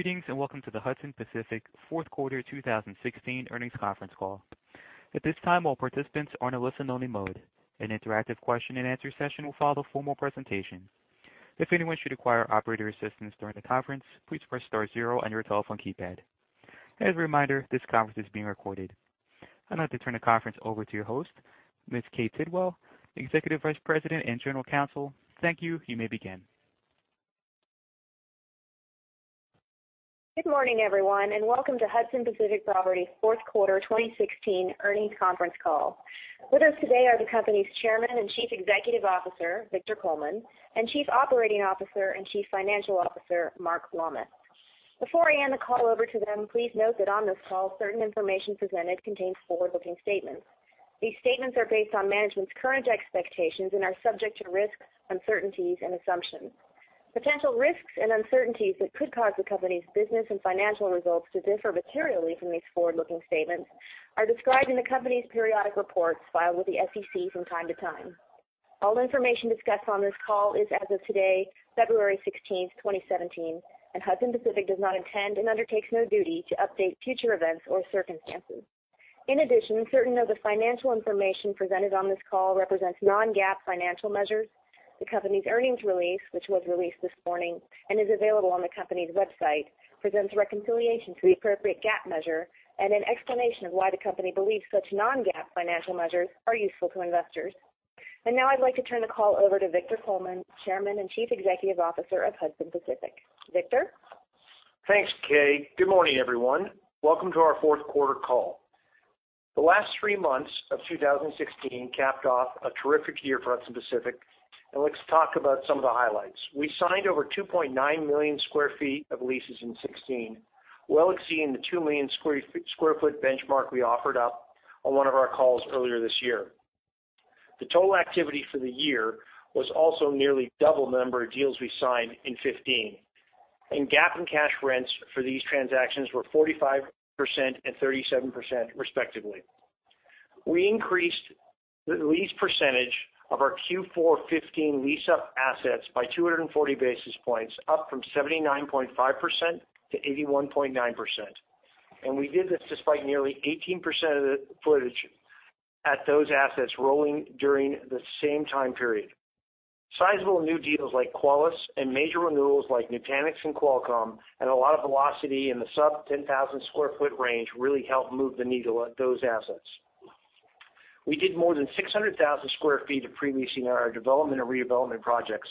Greetings, and welcome to the Hudson Pacific fourth quarter 2016 earnings conference call. At this time, all participants are in a listen-only mode. An interactive question and answer session will follow the formal presentation. If anyone should require operator assistance during the conference, please press star zero on your telephone keypad. As a reminder, this conference is being recorded. I'd like to turn the conference over to your host, Ms. Kay Tidwell, Executive Vice President and General Counsel. Thank you. You may begin. Good morning, everyone. Welcome to Hudson Pacific Properties' fourth quarter 2016 earnings conference call. With us today are the company's Chairman and Chief Executive Officer, Victor Coleman, and Chief Operating Officer and Chief Financial Officer, Mark Lammas. Before I hand the call over to them, please note that on this call, certain information presented contains forward-looking statements. These statements are based on management's current expectations and are subject to risks, uncertainties, and assumptions. Potential risks and uncertainties that could cause the company's business and financial results to differ materially from these forward-looking statements are described in the company's periodic reports filed with the SEC from time to time. All information discussed on this call is as of today, February 16th, 2017. Hudson Pacific does not intend and undertakes no duty to update future events or circumstances. In addition, certain of the financial information presented on this call represents non-GAAP financial measures. The company's earnings release, which was released this morning and is available on the company's website, presents reconciliation to the appropriate GAAP measure and an explanation of why the company believes such non-GAAP financial measures are useful to investors. Now I'd like to turn the call over to Victor Coleman, Chairman and Chief Executive Officer of Hudson Pacific. Victor? Thanks, Kay. Good morning, everyone. Welcome to our fourth quarter call. The last three months of 2016 capped off a terrific year for Hudson Pacific. Let's talk about some of the highlights. We signed over 2.9 million square feet of leases in 2016, well exceeding the 2 million square foot benchmark we offered up on one of our calls earlier this year. The total activity for the year was also nearly double the number of deals we signed in 2015. GAAP and cash rents for these transactions were 45% and 37%, respectively. We increased the lease percentage of our Q4 2015 lease-up assets by 240 basis points, up from 79.5% to 81.9%. We did this despite nearly 18% of the footage at those assets rolling during the same time period. Sizable new deals like Qualys and major renewals like Nutanix and Qualcomm, a lot of velocity in the sub-10,000 sq ft range really helped move the needle at those assets. We did more than 600,000 sq ft of pre-leasing in our development and redevelopment projects,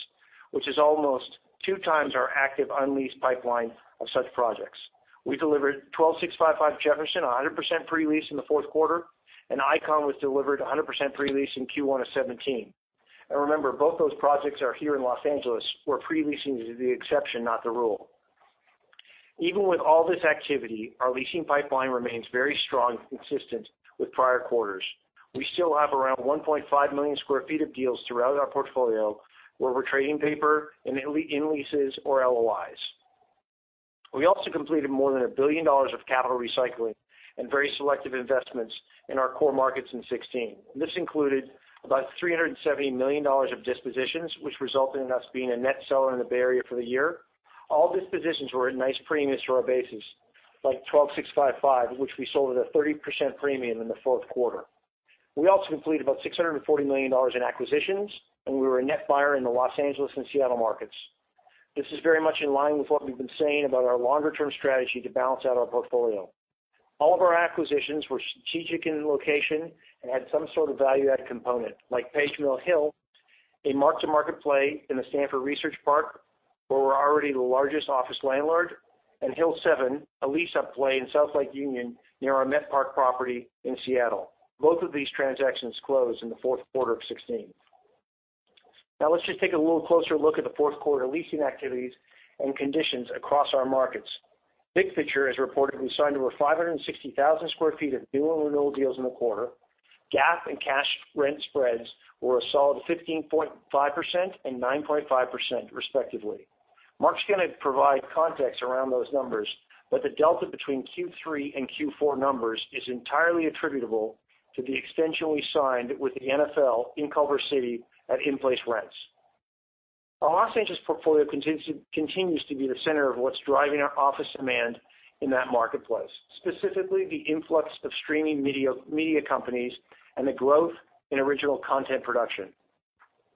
which is almost two times our active unleased pipeline of such projects. We delivered 12655 Jefferson 100% pre-leased in the fourth quarter, and Icon was delivered 100% pre-leased in Q1 of 2017. Remember, both those projects are here in Los Angeles, where pre-leasing is the exception, not the rule. Even with all this activity, our leasing pipeline remains very strong, consistent with prior quarters. We still have around 1.5 million sq ft of deals throughout our portfolio where we're trading paper in leases or LOIs. We also completed more than $1 billion of capital recycling and very selective investments in our core markets in 2016. This included about $370 million of dispositions, which resulted in us being a net seller in the Bay Area for the year. All dispositions were at nice premiums to our basis, like 12655, which we sold at a 30% premium in the fourth quarter. We also completed about $640 million in acquisitions, and we were a net buyer in the Los Angeles and Seattle markets. This is very much in line with what we've been saying about our longer-term strategy to balance out our portfolio. All of our acquisitions were strategic in location and had some sort of value-add component, like Page Mill Hill, a mark-to-market play in the Stanford Research Park, where we're already the largest office landlord, and Hill7, a lease-up play in South Lake Union near our Met Park property in Seattle. Both of these transactions closed in the fourth quarter of 2016. Let's just take a little closer look at the fourth quarter leasing activities and conditions across our markets. Big picture has reported we signed over 560,000 sq ft of new and renewal deals in the quarter. GAAP and cash rent spreads were a solid 15.5% and 9.5%, respectively. Mark's going to provide context around those numbers, but the delta between Q3 and Q4 numbers is entirely attributable to the extension we signed with the NFL in Culver City at in-place rents. Our Los Angeles portfolio continues to be the center of what's driving our office demand in that marketplace, specifically the influx of streaming media companies and the growth in original content production.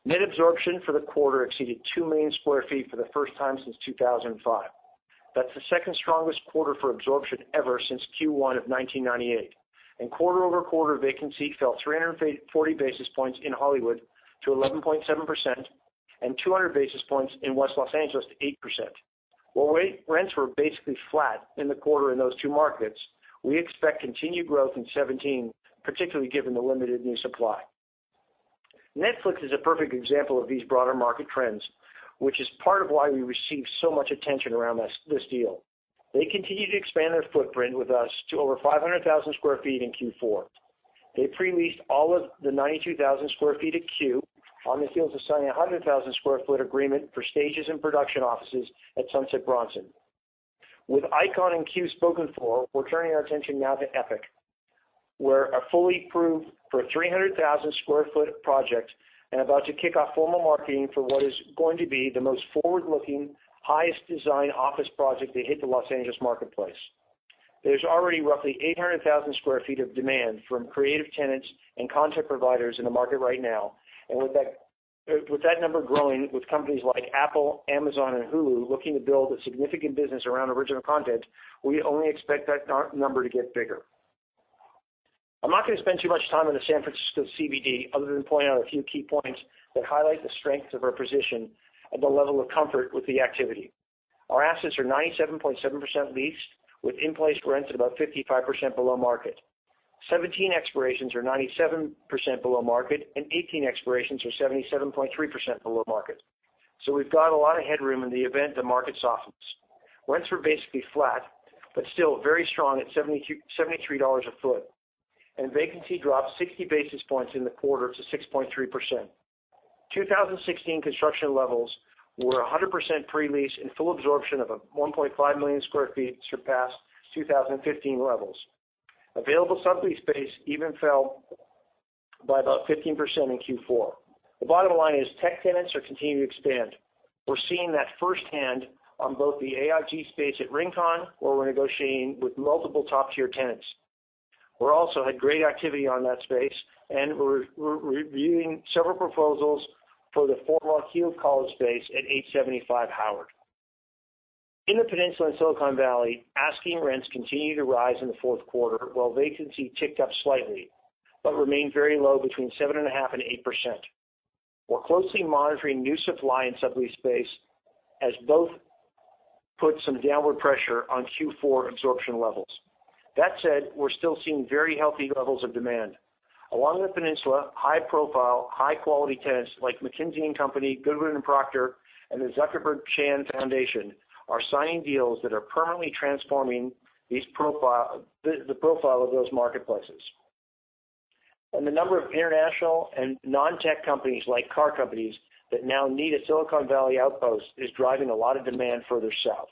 Net absorption for the quarter exceeded 2 million sq ft for the first time since 2005. That's the second strongest quarter for absorption ever since Q1 of 1998. Quarter-over-quarter vacancy fell 340 basis points in Hollywood to 11.7% and 200 basis points in West Los Angeles to 8%. While rents were basically flat in the quarter in those two markets, we expect continued growth in 2017, particularly given the limited new supply. Netflix is a perfect example of these broader market trends, which is part of why we received so much attention around this deal. They continue to expand their footprint with us to over 500,000 sq ft in Q4. They pre-leased all of the 92,000 sq ft at Cue on the heels of signing a 100,000 sq ft agreement for stages and production offices at Sunset Bronson. With Icon and Cue spoken for, we're turning our attention now to Epic. We're fully approved for a 300,000 sq ft project and about to kick off formal marketing for what is going to be the most forward-looking, highest design office project to hit the Los Angeles marketplace. There's already roughly 800,000 sq ft of demand from creative tenants and content providers in the market right now. With that number growing with companies like Apple, Amazon, and Hulu looking to build a significant business around original content, we only expect that number to get bigger. I'm not going to spend too much time on the San Francisco CBD other than point out a few key points that highlight the strength of our position and the level of comfort with the activity. Our assets are 97.7% leased, with in-place rents about 55% below market. 17 expirations are 97% below market, and 18 expirations are 77.3% below market. We've got a lot of headroom in the event the market softens. Rents were basically flat, but still very strong at $73 a sq ft, and vacancy dropped 60 basis points in the quarter to 6.3%. 2016 construction levels were 100% pre-lease, and full absorption of 1.5 million sq ft surpassed 2015 levels. Available sublease space even fell by about 15% in Q4. The bottom line is tech tenants are continuing to expand. We're seeing that firsthand on both the AIG space at Rincon, where we're negotiating with multiple top-tier tenants. We're also had great activity on that space, and we're reviewing several proposals for the former Heald College space at 875 Howard. In the Peninsula and Silicon Valley, asking rents continued to rise in the fourth quarter, while vacancy ticked up slightly but remained very low between 7.5% and 8%. We're closely monitoring new supply and sublease space as both put some downward pressure on Q4 absorption levels. That said, we're still seeing very healthy levels of demand. Along the Peninsula, high-profile, high-quality tenants like McKinsey & Company, Goodwin Procter, and the Chan Zuckerberg Foundation are signing deals that are permanently transforming the profile of those marketplaces. The number of international and non-tech companies like car companies that now need a Silicon Valley outpost is driving a lot of demand further south.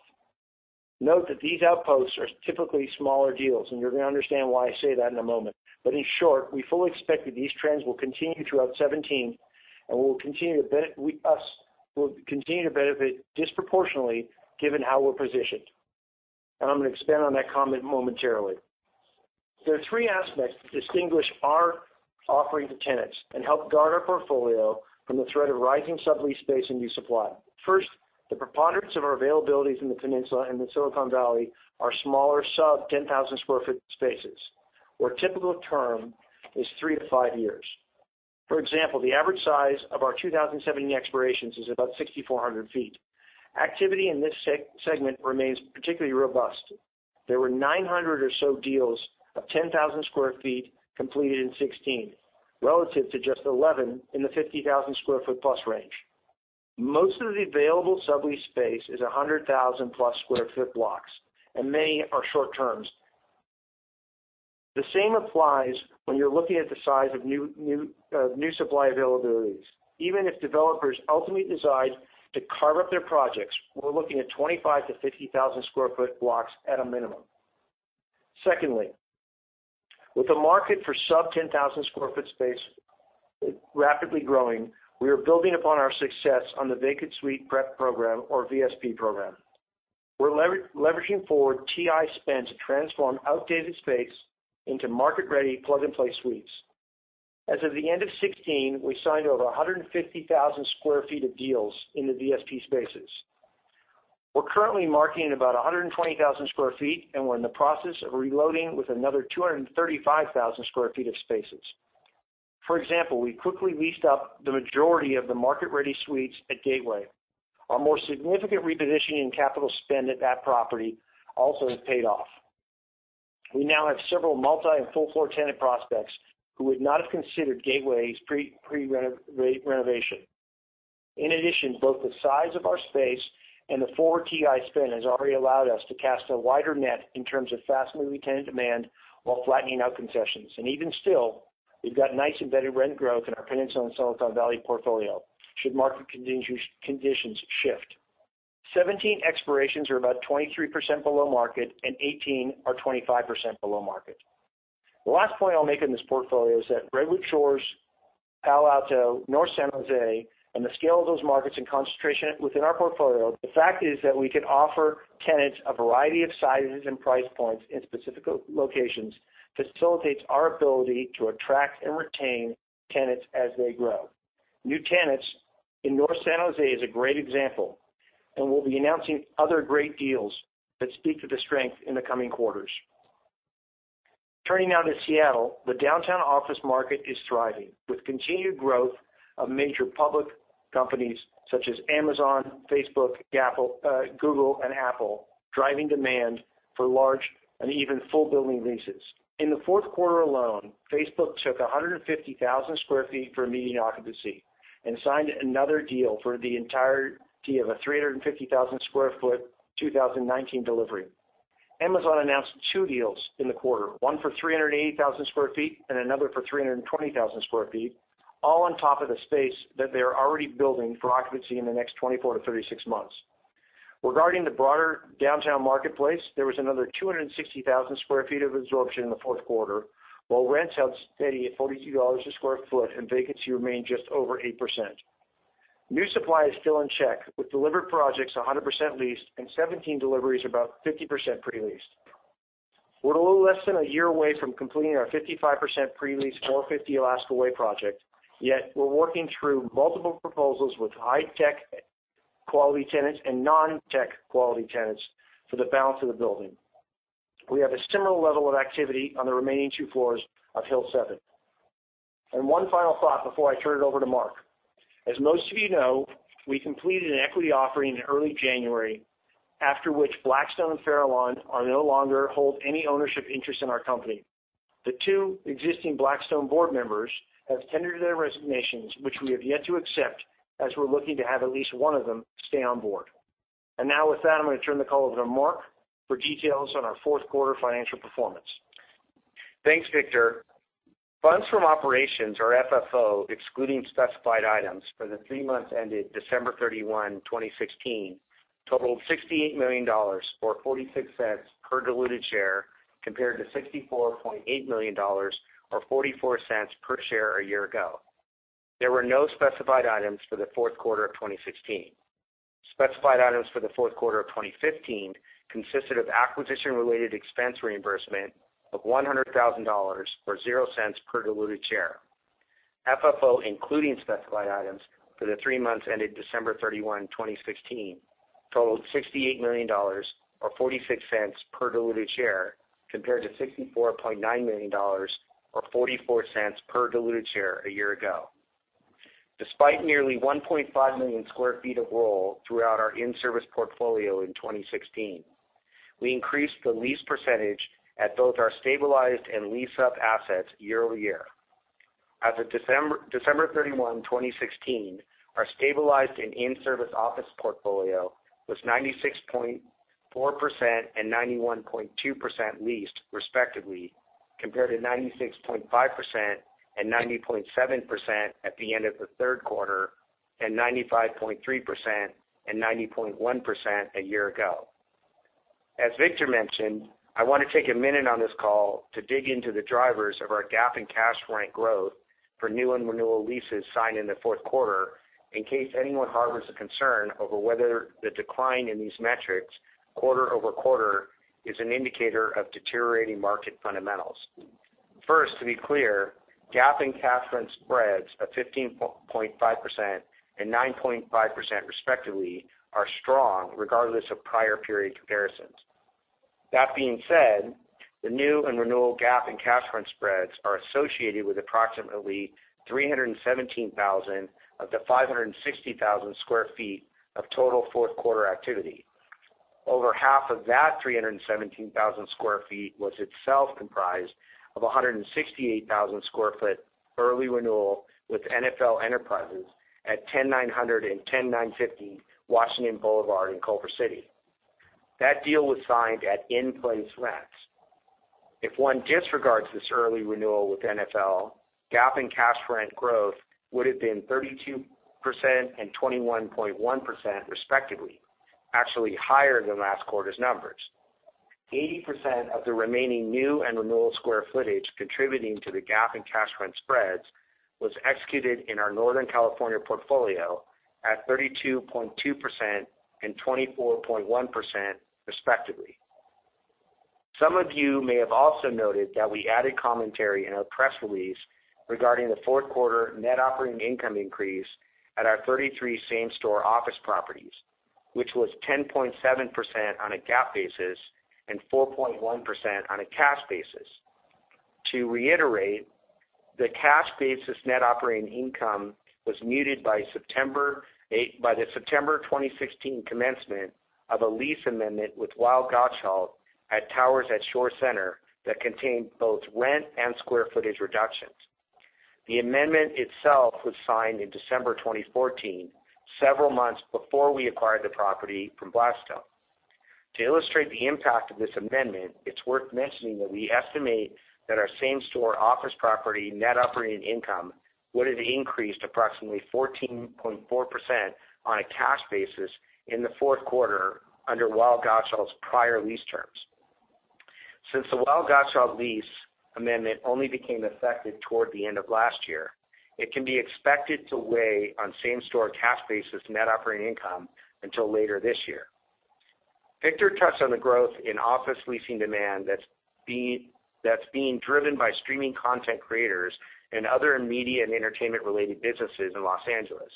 Note that these outposts are typically smaller deals, and you're going to understand why I say that in a moment. In short, we fully expect that these trends will continue throughout 2017, and we will continue to benefit disproportionately given how we're positioned. I'm going to expand on that comment momentarily. There are three aspects that distinguish our offering to tenants and help guard our portfolio from the threat of rising sublease space and new supply. First, the preponderance of our availabilities in the Peninsula and the Silicon Valley are smaller, sub 10,000 sq ft spaces, where typical term is three to five years. For example, the average size of our 2017 expirations is about 6,400 sq ft. Activity in this segment remains particularly robust. There were 900 or so deals of 10,000 sq ft completed in 2016, relative to just 11 in the 50,000 sq ft-plus range. Most of the available sublease space is 100,000-plus sq ft blocks, and many are short-terms. The same applies when you're looking at the size of new supply availabilities. Even if developers ultimately decide to carve up their projects, we're looking at 25,000-50,000 sq ft blocks at a minimum. Secondly, with the market for sub-10,000 sq ft space rapidly growing, we are building upon our success on the Vacant Suite Prep program or VSP program. We're leveraging forward TI spend to transform outdated space into market-ready plug-and-play suites. As of the end of 2016, we signed over 150,000 sq ft of deals in the VSP spaces. We're currently marketing about 120,000 sq ft, and we're in the process of reloading with another 235,000 sq ft of spaces. For example, we quickly leased up the majority of the market-ready suites at Gateway. Our more significant repositioning and capital spend at that property also has paid off. We now have several multi and full-floor tenant prospects who would not have considered Gateway's pre-renovation. In addition, both the size of our space and the forward TI spin has already allowed us to cast a wider net in terms of fastening tenant demand while flattening out concessions. Even still, we've got nice embedded rent growth in our Peninsula and Silicon Valley portfolio should market conditions shift. 17 expirations are about 23% below market, and 18 are 25% below market. The last point I'll make in this portfolio is that Redwood Shores, Palo Alto, North San Jose, and the scale of those markets and concentration within our portfolio, the fact is that we can offer tenants a variety of sizes and price points in specific locations facilitates our ability to attract and retain tenants as they grow. New tenants in North San Jose is a great example, and we'll be announcing other great deals that speak to the strength in the coming quarters. Turning now to Seattle, the downtown office market is thriving, with continued growth of major public companies such as Amazon, Facebook, Google, and Apple driving demand for large and even full building leases. In the fourth quarter alone, Facebook took 150,000 sq ft for meeting occupancy and signed another deal for the entirety of a 350,000 sq ft 2019 delivery. Amazon announced two deals in the quarter, one for 380,000 sq ft and another for 320,000 sq ft, all on top of the space that they're already building for occupancy in the next 24-36 months. Regarding the broader downtown marketplace, there was another 260,000 sq ft of absorption in the fourth quarter, while rents held steady at $42 a sq ft and vacancy remained just over 8%. New supply is still in check, with delivered projects 100% leased and 17 deliveries about 50% pre-leased. We're a little less than a year away from completing our 55% pre-lease 450 Alaskan Way project, yet we're working through multiple proposals with high tech quality tenants and non-tech quality tenants for the balance of the building. We have a similar level of activity on the remaining two floors of Hill7. One final thought before I turn it over to Mark. As most of you know, we completed an equity offering in early January, after which Blackstone and Farallon no longer hold any ownership interest in our company. The two existing Blackstone board members have tendered their resignations, which we have yet to accept, as we're looking to have at least one of them stay on board. Now with that, I'm going to turn the call over to Mark for details on our fourth quarter financial performance. Thanks, Victor. Funds from operations or FFO, excluding specified items for the three months ended December 31, 2016, totaled $68 million, or $0.46 per diluted share, compared to $64.8 million or $0.44 per share a year ago. There were no specified items for the fourth quarter of 2016. Specified items for the fourth quarter of 2015 consisted of acquisition-related expense reimbursement of $100,000, or $0.00 per diluted share. FFO, including specified items for the three months ended December 31, 2016, totaled $68 million, or $0.46 per diluted share, compared to $64.9 million or $0.44 per diluted share a year ago. Despite nearly 1.5 million sq ft of roll throughout our in-service portfolio in 2016, we increased the lease percentage at both our stabilized and lease-up assets year-over-year. As of December 31, 2016, our stabilized and in-service office portfolio was 96.4% and 91.2% leased respectively, compared to 96.5% and 90.7% at the end of the third quarter, and 95.3% and 90.1% a year ago. As Victor mentioned, I want to take a minute on this call to dig into the drivers of our GAAP and cash rent growth for new and renewal leases signed in the fourth quarter, in case anyone harbors a concern over whether the decline in these metrics quarter-over-quarter is an indicator of deteriorating market fundamentals. First, to be clear, GAAP and cash rent spreads of 15.5% and 9.5% respectively are strong regardless of prior period comparisons. That being said, the new and renewal GAAP and cash rent spreads are associated with approximately 317,000 of the 560,000 sq ft of total fourth quarter activity. Over half of that 317,000 sq ft was itself comprised of 168,000 sq ft early renewal with NFL Enterprises at 10900 and 10950 Washington Boulevard in Culver City. That deal was signed at in-place rents. If one disregards this early renewal with NFL, GAAP and cash rent growth would have been 32% and 21.1% respectively, actually higher than last quarter's numbers. 80% of the remaining new and renewal square footage contributing to the GAAP and cash rent spreads was executed in our Northern California portfolio at 32.2% and 24.1% respectively. Some of you may have also noted that we added commentary in our press release regarding the fourth quarter net operating income increase at our 33 same-store office properties, which was 10.7% on a GAAP basis and 4.1% on a cash basis. To reiterate, the cash basis net operating income was muted by the September 2016 commencement of a lease amendment with Weil Gotshal at Towers at Shore Center that contained both rent and square footage reductions. The amendment itself was signed in December 2014, several months before we acquired the property from Blackstone. To illustrate the impact of this amendment, it's worth mentioning that we estimate that our same store office property net operating income would have increased approximately 14.4% on a cash basis in the fourth quarter under Weil Gotshal's prior lease terms. Since the Weil Gotshal lease amendment only became effective toward the end of last year, it can be expected to weigh on same-store cash basis net operating income until later this year. Victor touched on the growth in office leasing demand that's being driven by streaming content creators and other media and entertainment-related businesses in Los Angeles.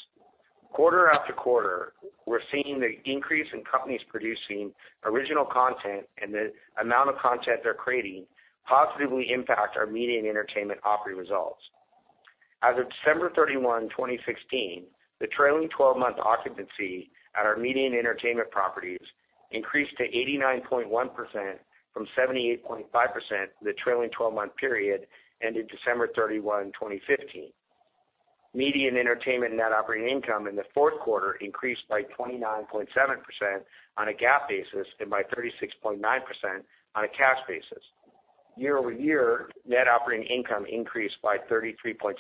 Quarter after quarter, we're seeing the increase in companies producing original content and the amount of content they're creating positively impact our media and entertainment operating results. As of December 31, 2016, the trailing 12-month occupancy at our media and entertainment properties increased to 89.1% from 78.5% the trailing 12-month period ending December 31, 2015. Media and entertainment net operating income in the fourth quarter increased by 29.7% on a GAAP basis and by 36.9% on a cash basis. Year-over-year net operating income increased by 33.7%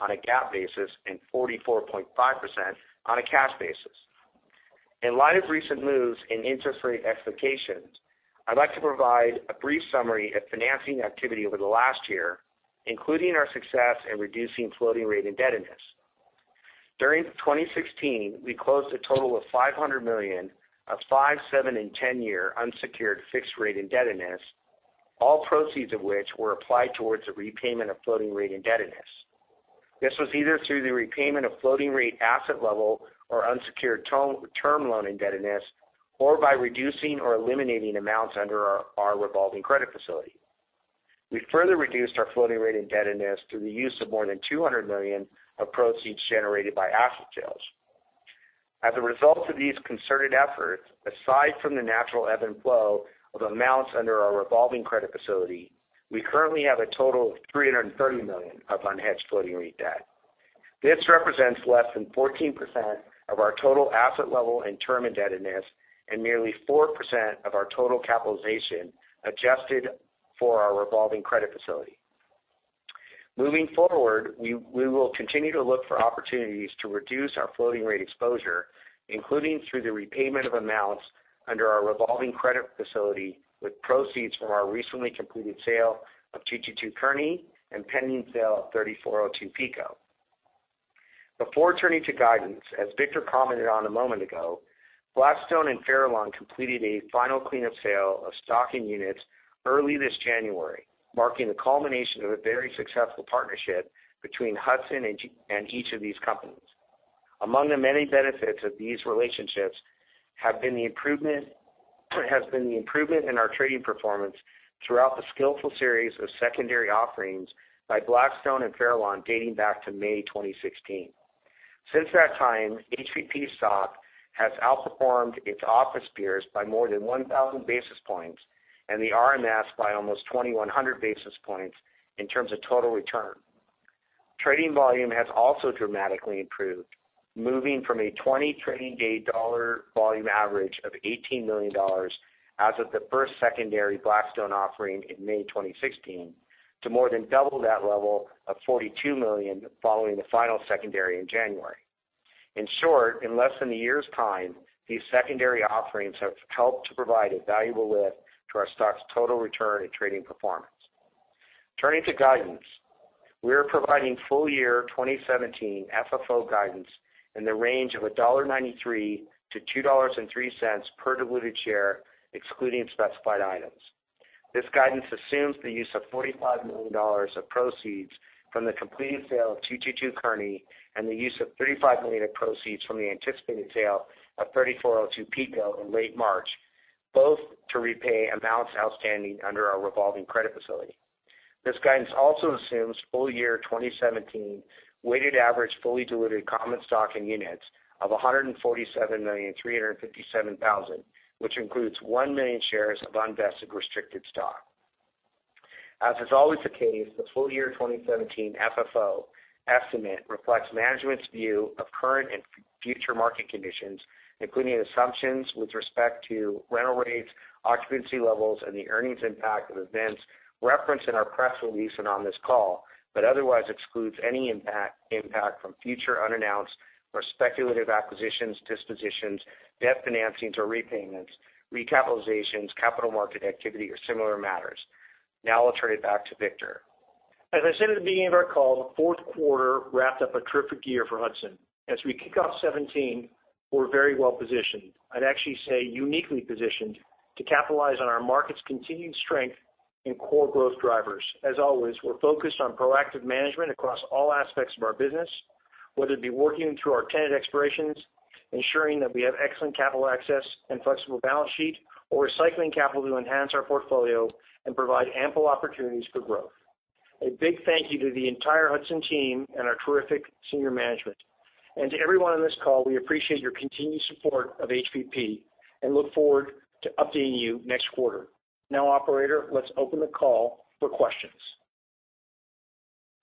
on a GAAP basis and 44.5% on a cash basis. In light of recent moves in interest rate expectations, I'd like to provide a brief summary of financing activity over the last year, including our success in reducing floating rate indebtedness. During 2016, we closed a total of $500 million of five, seven, and 10-year unsecured fixed rate indebtedness, all proceeds of which were applied towards the repayment of floating rate indebtedness. This was either through the repayment of floating rate asset level or unsecured term loan indebtedness, or by reducing or eliminating amounts under our revolving credit facility. We further reduced our floating rate indebtedness through the use of more than $200 million of proceeds generated by asset sales. As a result of these concerted efforts, aside from the natural ebb and flow of amounts under our revolving credit facility, we currently have a total of $330 million of unhedged floating rate debt. This represents less than 14% of our total asset level and term indebtedness, and merely 4% of our total capitalization, adjusted for our revolving credit facility. Moving forward, we will continue to look for opportunities to reduce our floating rate exposure, including through the repayment of amounts under our revolving credit facility with proceeds from our recently completed sale of 222 Kearny and pending sale of 3402 Pico. Before turning to guidance, as Victor commented on a moment ago, Blackstone and Farallon completed a final cleanup sale of stocking units early this January, marking the culmination of a very successful partnership between Hudson and each of these companies. Among the many benefits of these relationships has been the improvement in our trading performance throughout the skillful series of secondary offerings by Blackstone and Farallon dating back to May 2016. Since that time, HPP stock has outperformed its office peers by more than 1,000 basis points and the RMZ by almost 2,100 basis points in terms of total return. Trading volume has also dramatically improved, moving from a 20 trading day dollar volume average of $18 million as of the first secondary Blackstone offering in May 2016, to more than double that level of $42 million following the final secondary in January. In short, in less than a year's time, these secondary offerings have helped to provide a valuable lift to our stock's total return and trading performance. Turning to guidance. We are providing full year 2017 FFO guidance in the range of $1.93 to $2.03 per diluted share, excluding specified items. This guidance assumes the use of $45 million of proceeds from the completed sale of 222 Kearny, and the use of $35 million of proceeds from the anticipated sale of 3402 Pico in late March, both to repay amounts outstanding under our revolving credit facility. This guidance also assumes full year 2017 weighted average fully diluted common stock and units of 147,357,000, which includes one million shares of unvested restricted stock. As is always the case, the full year 2017 FFO estimate reflects management's view of current and future market conditions, including assumptions with respect to rental rates, occupancy levels, and the earnings impact of events referenced in our press release and on this call, but otherwise excludes any impact from future unannounced or speculative acquisitions, dispositions, debt financings or repayments, recapitalizations, capital market activity, or similar matters. I'll turn it back to Victor. As I said at the beginning of our call, the fourth quarter wrapped up a terrific year for Hudson. As we kick off 2017, we're very well-positioned. I'd actually say uniquely positioned to capitalize on our market's continued strength and core growth drivers. As always, we're focused on proactive management across all aspects of our business, whether it be working through our tenant expirations, ensuring that we have excellent capital access and flexible balance sheet, or recycling capital to enhance our portfolio and provide ample opportunities for growth. A big thank you to the entire Hudson team and our terrific senior management. To everyone on this call, we appreciate your continued support of HPP and look forward to updating you next quarter. Operator, let's open the call for questions.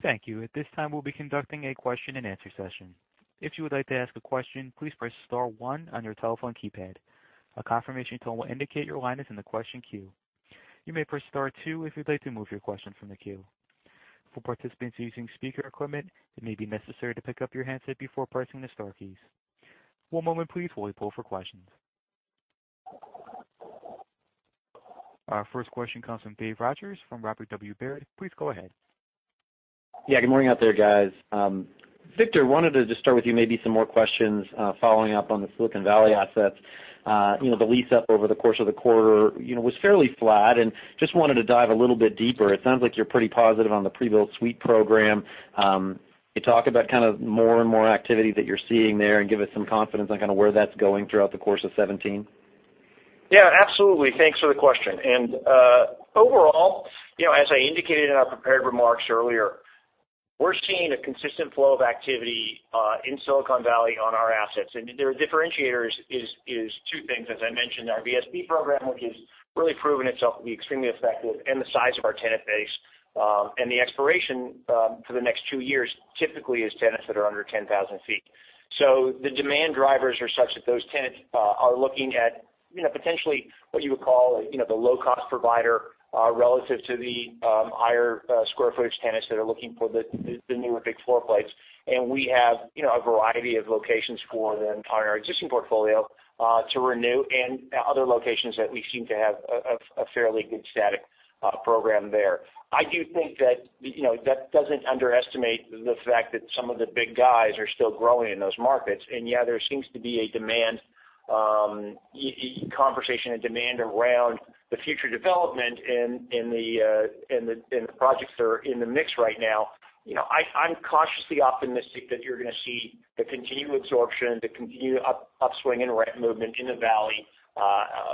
Thank you. At this time, we'll be conducting a question-and-answer session. If you would like to ask a question, please press star one on your telephone keypad. A confirmation tone will indicate your line is in the question queue. You may press star two if you'd like to move your question from the queue. For participants using speaker equipment, it may be necessary to pick up your handset before pressing the star keys. One moment please while we poll for questions. Our first question comes from Dave Rogers from Robert W. Baird. Please go ahead. Good morning out there, guys. Victor, wanted to just start with you, maybe some more questions following up on the Silicon Valley assets. The lease up over the course of the quarter was fairly flat, and just wanted to dive a little bit deeper. It sounds like you're pretty positive on the pre-built suite program. Can you talk about more and more activity that you're seeing there and give us some confidence on where that's going throughout the course of 2017? Absolutely. Thanks for the question. Overall, as I indicated in our prepared remarks earlier, we're seeing a consistent flow of activity in Silicon Valley on our assets. Their differentiators is two things, as I mentioned, our VSP program, which has really proven itself to be extremely effective, and the size of our tenant base. The expiration for the next two years typically is tenants that are under 10,000 feet. The demand drivers are such that those tenants are looking at potentially what you would call the low-cost provider relative to the higher square footage tenants that are looking for the newer big floor plates. We have a variety of locations for them on our existing portfolio to renew, and other locations that we seem to have a fairly good static program there. I do think that doesn't underestimate the fact that some of the big guys are still growing in those markets. There seems to be a demand conversation and demand around the future development in the projects that are in the mix right now. I'm cautiously optimistic that you're going to see the continued absorption, the continued upswing in rent movement in the Valley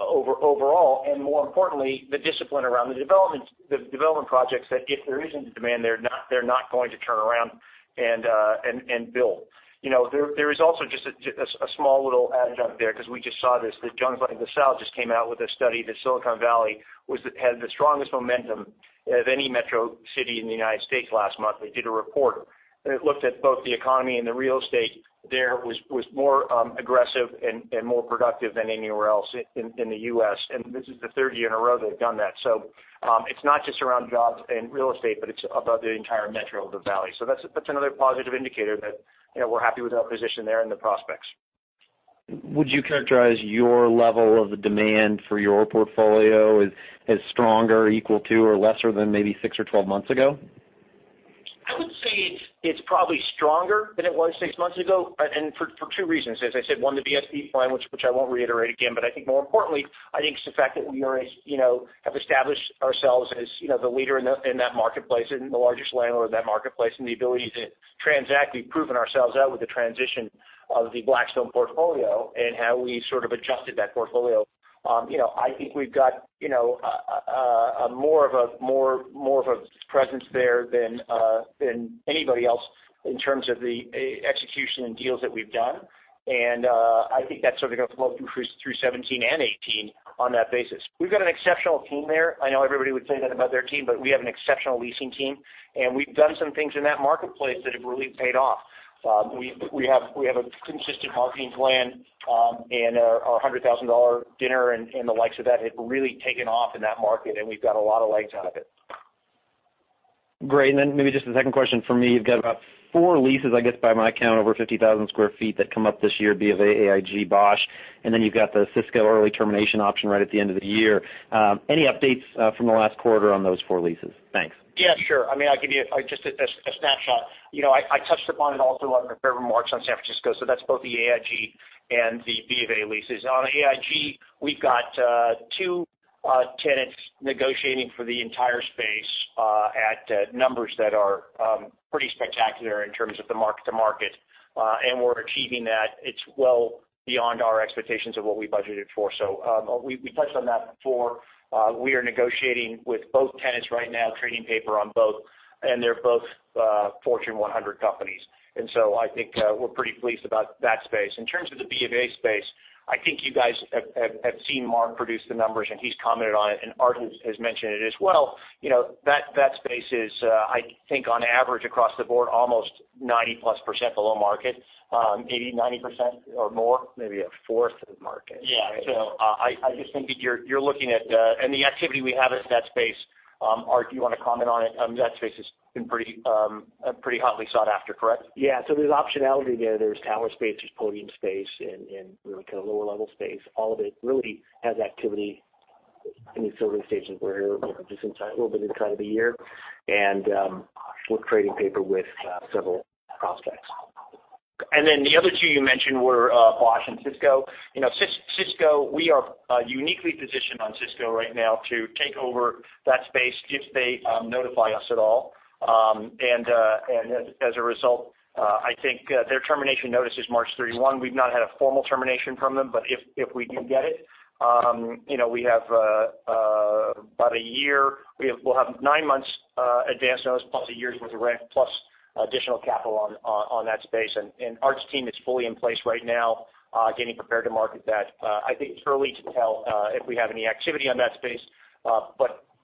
overall. More importantly, the discipline around the development projects that if there isn't the demand, they're not going to turn around and build. There is also just a small little adjunct there, because we just saw this, that Jones Lang LaSalle just came out with a study that Silicon Valley had the strongest momentum of any metro city in the U.S. last month. They did a report, it looked at both the economy and the real estate there was more aggressive and more productive than anywhere else in the U.S., and this is the third year in a row they've done that. It's not just around jobs and real estate, but it's about the entire metro of the Valley. That's another positive indicator that we're happy with our position there and the prospects. Would you characterize your level of the demand for your portfolio as stronger, equal to, or lesser than maybe 6 or 12 months ago? I would say it's probably stronger than it was six months ago. For two reasons. As I said, one, the VSP plan, which I won't reiterate again, but I think more importantly, I think it's the fact that we have established ourselves as the leader in that marketplace and the largest landlord in that marketplace, and the ability to transact. We've proven ourselves out with the transition of the Blackstone portfolio and how we sort of adjusted that portfolio. I think we've got more of a presence there than anybody else in terms of the execution and deals that we've done. I think that's going to flow through 2017 and 2018 on that basis. We've got an exceptional team there. I know everybody would say that about their team, but we have an exceptional leasing team. We've done some things in that marketplace that have really paid off. We have a consistent marketing plan. Our $100,000 dinner and the likes of that have really taken off in that market. We've got a lot of legs out of it. Great. Then maybe just a second question for me. You've got about four leases, I guess, by my count, over 50,000 sq ft that come up this year, BofA, AIG, Bosch, and then you've got the Cisco early termination option right at the end of the year. Any updates from the last quarter on those four leases? Thanks. Yeah, sure. I'll give you just a snapshot. I touched upon it also on the prepared remarks on San Francisco, so that's both the AIG and the BofA leases. On AIG, we've got two tenants negotiating for the entire space at numbers that are pretty spectacular in terms of the mark-to-market. We're achieving that. It's well beyond our expectations of what we budgeted for, so we touched on that before. We are negotiating with both tenants right now, trading paper on both, and they're both Fortune 100 companies. I think we're pretty pleased about that space. In terms of the BofA space, I think you guys have seen Mark produce the numbers, and he's commented on it, and Art has mentioned it as well. That space is, I think on average across the board, almost 90+% below market. 80%-90% or more. Maybe a fourth of market. Yeah. I just think that you're looking at the activity we have at that space, Art, do you want to comment on it? That space has been pretty hotly sought after, correct? Yeah. There's optionality there. There's tower space, there's podium space, and really kind of lower-level space. All of it really has activity in the early stages. We're just a little bit inside of a year. We're trading paper with several prospects. The other two you mentioned were Bosch and Cisco. Cisco, we are uniquely positioned on Cisco right now to take over that space if they notify us at all. As a result, I think their termination notice is March 31. We've not had a formal termination from them, but if we do get it, we have about a year. We'll have nine months advance notice, plus a year's worth of rent, plus additional capital on that space. Art's team is fully in place right now getting prepared to market that. I think it's early to tell if we have any activity on that space.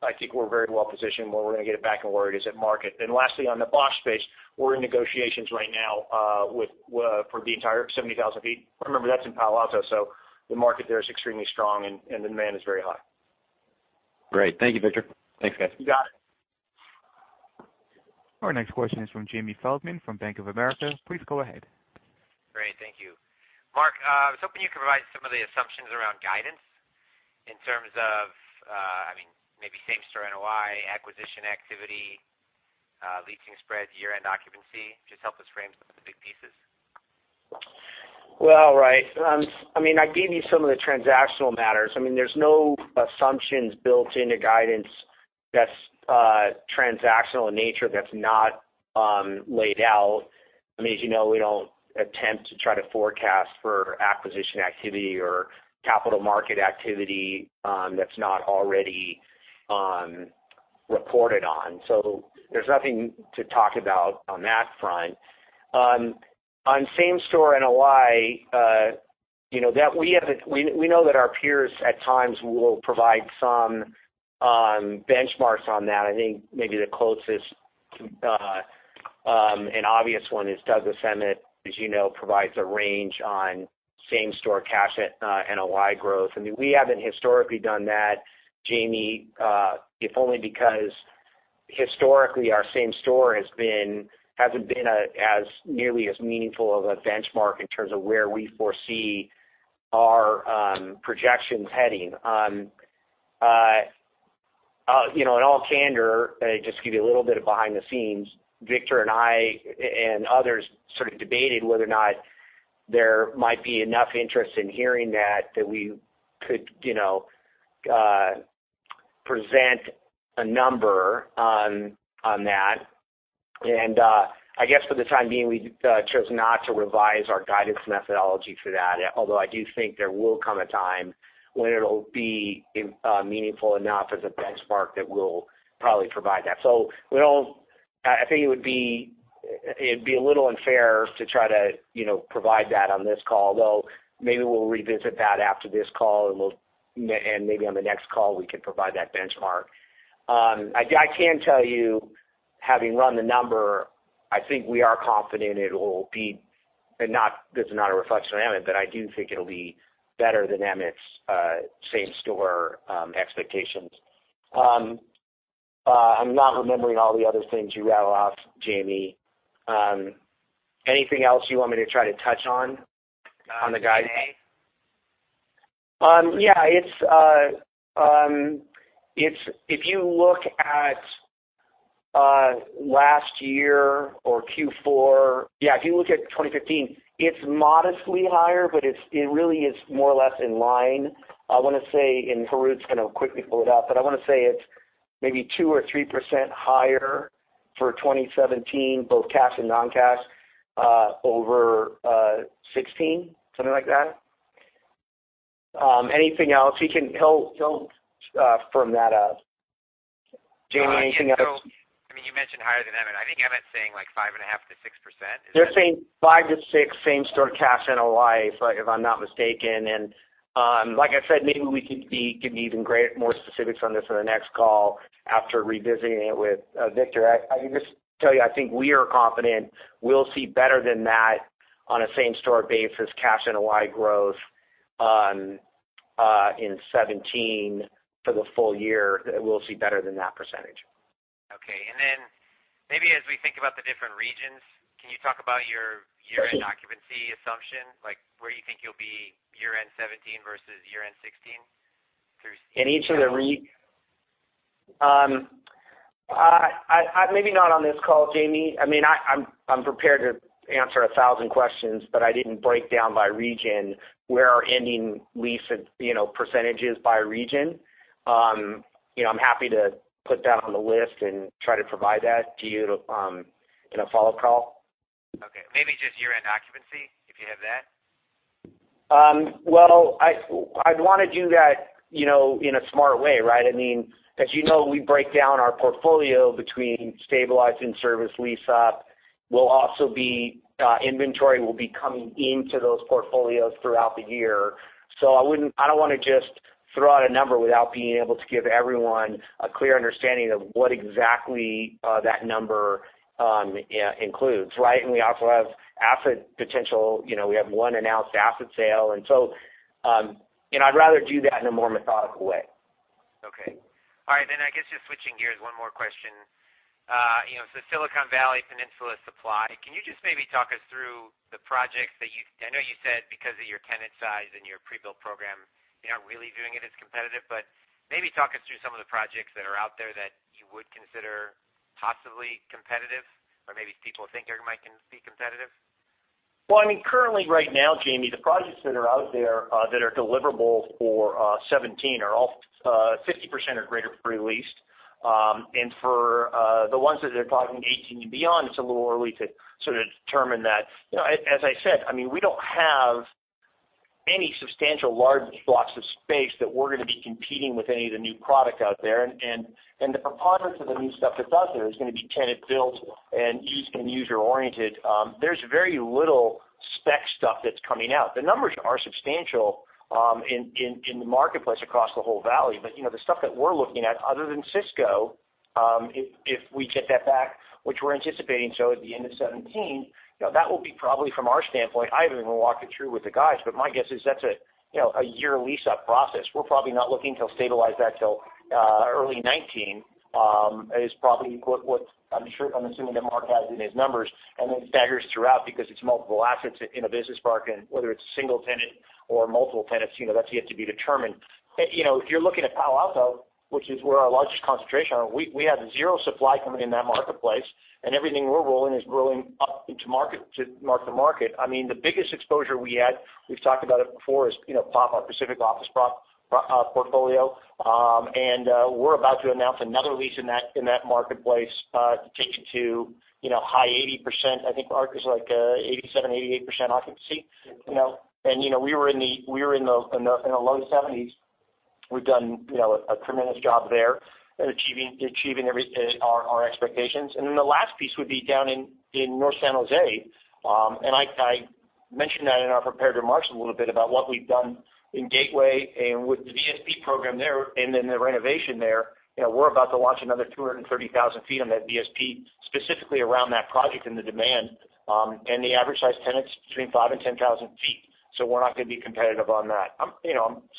I think we're very well positioned where we're going to get it back and where it is at market. Lastly, on the Bosch space, we're in negotiations right now for the entire 70,000 feet. Remember, that's in Palo Alto, the market there is extremely strong and demand is very high. Great. Thank you, Victor. Thanks, guys. You got it. Our next question is from Jamie Feldman from Bank of America. Please go ahead. Great. Thank you. Mark, I was hoping you could provide some of the assumptions around guidance in terms of maybe same-store NOI, acquisition activity, leasing spreads, year-end occupancy. Just help us frame some of the big pieces. Well, right. I gave you some of the transactional matters. There's no assumptions built into guidance. That's transactional in nature, that's not laid out. As you know, we don't attempt to try to forecast for acquisition activity or capital market activity that's not already reported on. There's nothing to talk about on that front. On same-store NOI, we know that our peers at times will provide some benchmarks on that. I think maybe the closest and obvious one is Douglas Emmett, as you know, provides a range on same-store cash NOI growth. We haven't historically done that, Jamie, if only because historically our same store hasn't been as nearly as meaningful of a benchmark in terms of where we foresee our projections heading. In all candor, just to give you a little bit of behind the scenes, Victor and I and others sort of debated whether or not there might be enough interest in hearing that we could present a number on that. I guess for the time being, we chose not to revise our guidance methodology for that. Although I do think there will come a time when it'll be meaningful enough as a benchmark that we'll probably provide that. I think it'd be a little unfair to try to provide that on this call, though maybe we'll revisit that after this call, and maybe on the next call, we can provide that benchmark. I can tell you, having run the number, I think we are confident it'll be, this is not a reflection of Douglas Emmett, but I do think it'll be better than Douglas Emmett's same-store expectations. I'm not remembering all the other things you rattled off, Jamie. Anything else you want me to try to touch on the guide? Today? Yeah. If you look at last year or Q4, if you look at 2015, it's modestly higher, but it really is more or less in line. I want to say, and Harout's going to quickly pull it up, but I want to say it's maybe 2% or 3% higher for 2017, both cash and non-cash, over 2016, something like that. Anything else? He'll firm that up. Jamie, anything else? You mentioned higher than Douglas Emmett. I think Douglas Emmett's saying, like 5.5%-6%, is it? They're saying 5%-6% same-store cash NOI, if I'm not mistaken. Like I said, maybe we can give you more specifics on this on the next call after revisiting it with Victor. I can just tell you, I think we are confident we'll see better than that on a same-store basis, cash NOI growth in 2017 for the full year, we'll see better than that percentage. Okay. Then maybe as we think about the different regions, can you talk about your year-end occupancy assumption, like where you think you'll be year-end 2017 versus year-end 2016. Maybe not on this call, Jamie. I'm prepared to answer 1,000 questions. I didn't break down by region where our ending lease percentage is by region. I'm happy to put that on the list and try to provide that to you in a follow-up call. Okay. Maybe just year-end occupancy, if you have that. Well, I'd want to do that in a smart way, right? As you know, we break down our portfolio between stabilized in-service lease up, inventory will be coming into those portfolios throughout the year. I don't want to just throw out a number without being able to give everyone a clear understanding of what exactly that number includes, right? We also have asset potential. We have one announced asset sale. I'd rather do that in a more methodical way. Okay. All right, switching gears, one more question. Silicon Valley peninsula supply, can you just maybe talk us through the projects that you I know you said because of your tenant size and your pre-built program, you're not really viewing it as competitive, but maybe talk us through some of the projects that are out there that you would consider possibly competitive or maybe people think might be competitive. Currently right now, Jamie, the projects that are out there that are deliverable for 2017 are all 50% or greater pre-leased. For the ones that they're talking 2018 and beyond, it's a little early to sort of determine that. As I said, we don't have any substantial large blocks of space that we're going to be competing with any of the new product out there. The preponderance of the new stuff that's out there is going to be tenant-built and use and user-oriented. There's very little spec stuff that's coming out. The numbers are substantial in the marketplace across the whole valley. The stuff that we're looking at, other than Cisco, if we get that back, which we're anticipating, at the end of 2017, that will be probably from our standpoint, I even will walk it through with the guys, but my guess is that's a year lease up process. We're probably not looking to stabilize that until early 2019, is probably what I'm assuming that Mark has in his numbers, and then staggers throughout because it's multiple assets in a business park, and whether it's single tenant or multiple tenants, that's yet to be determined. If you're looking at Palo Alto, which is where our largest concentration are, we have zero supply coming in that marketplace, and everything we're rolling is rolling up into mark-to-market. The biggest exposure we had, we've talked about it before, is POP, our Pacific Office Portfolio. We're about to announce another lease in that marketplace to take it to high 80%. I think Mark is like 87%, 88% occupancy. We were in the low 70s. We've done a tremendous job there at achieving our expectations. The last piece would be down in North San Jose. I mentioned that in our prepared remarks a little bit about what we've done in Gateway and with the VSP program there and the renovation there. We're about to launch another 230,000 feet on that VSP, specifically around that project and the demand. The average size tenant's between 5,000 and 10,000 feet. We're not going to be competitive on that. I'm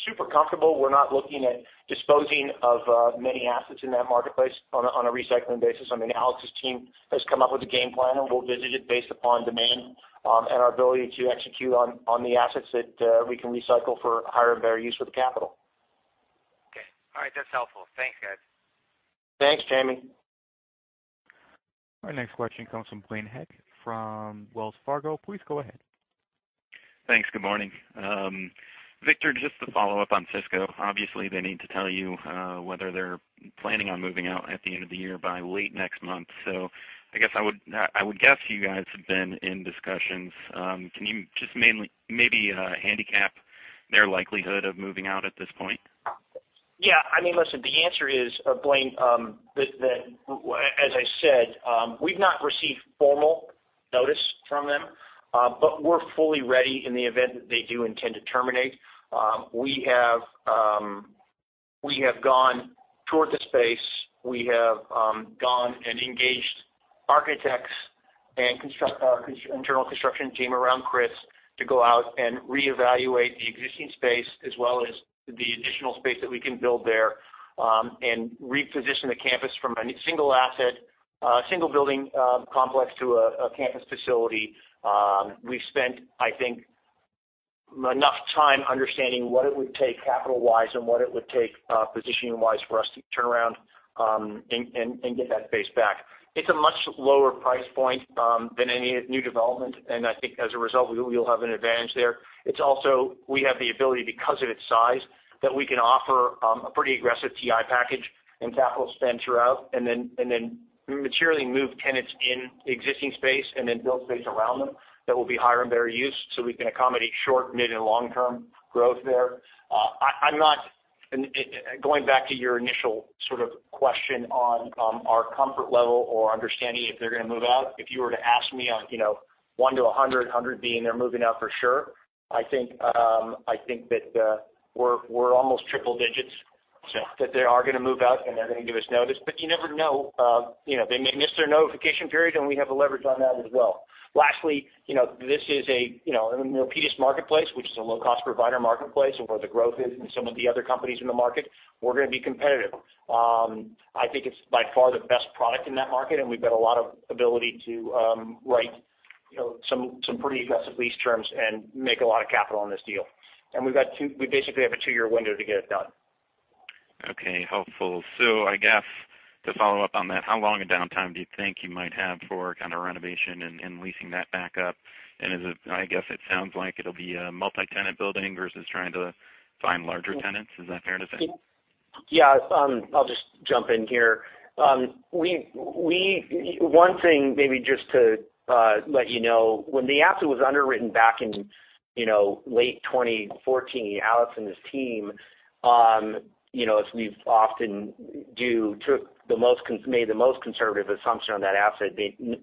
super comfortable. We're not looking at disposing of many assets in that marketplace on a recycling basis. Alex's team has come up with a game plan, and we'll visit it based upon demand, and our ability to execute on the assets that we can recycle for a higher and better use for the capital. Okay. All right. That's helpful. Thanks, guys. Thanks, Jamie. Our next question comes from Blaine Heck from Wells Fargo. Please go ahead. Thanks. Good morning. Victor, just to follow up on Cisco, obviously, they need to tell you whether they're planning on moving out at the end of the year by late next month. I would guess you guys have been in discussions. Can you just maybe handicap their likelihood of moving out at this point? Yeah. Listen, the answer is, Blaine, that as I said, we've not received formal notice from them, but we're fully ready in the event that they do intend to terminate. We have gone toward the space. We have gone and engaged architects and our internal construction team around Chris to go out and reevaluate the existing space as well as the additional space that we can build there, and reposition the campus from a single-building complex to a campus facility. We've spent, I think, enough time understanding what it would take capital-wise and what it would take positioning-wise for us to turn around, and get that space back. It's a much lower price point than any new development, and I think as a result, we'll have an advantage there. It's also, we have the ability, because of its size, that we can offer a pretty aggressive TI package and capital spend throughout, and then materially move tenants in existing space and then build space around them that will be higher and better use, so we can accommodate short, mid, and long-term growth there. Going back to your initial sort of question on our comfort level or understanding if they're going to move out. If you were to ask me on one to 100 being they're moving out for sure, I think that we're almost triple digits, Sure that they are going to move out, and they're going to give us notice. You never know. They may miss their notification period, and we have the leverage on that as well. Lastly, this is in the Milpitas marketplace, which is a low-cost provider marketplace and where the growth is in some of the other companies in the market. We're going to be competitive. I think it's by far the best product in that market, and we've got a lot of ability to write some pretty aggressive lease terms and make a lot of capital on this deal. We basically have a two-year window to get it done. Okay. Helpful. I guess to follow up on that, how long a downtime do you think you might have for kind of renovation and leasing that back up? I guess it sounds like it'll be a multi-tenant building versus trying to find larger tenants. Is that fair to say? Yeah. I'll just jump in here. One thing maybe just to let you know, when the asset was underwritten back in late 2014, Alex and his team, as we've often do, made the most conservative assumption on that asset.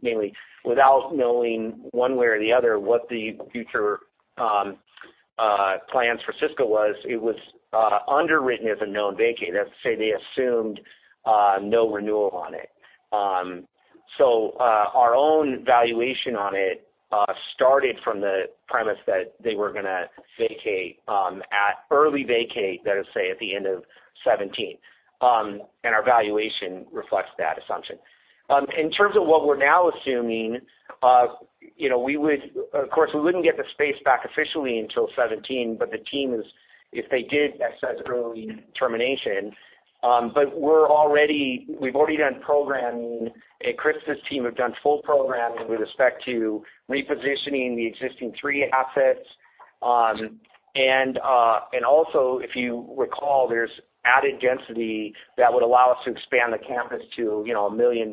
Mainly without knowing one way or the other what the future plans for Cisco was. It was underwritten as a known vacate. That's to say they assumed no renewal on it. Our own valuation on it started from the premise that they were going to early vacate, that is to say, at the end of 2017. Our valuation reflects that assumption. In terms of what we're now assuming, of course, we wouldn't get the space back officially until 2017, but the team is, if they did exercise early termination. We've already done programming. Chris's team have done full programming with respect to repositioning the existing three assets. Also, if you recall, there's added density that would allow us to expand the campus to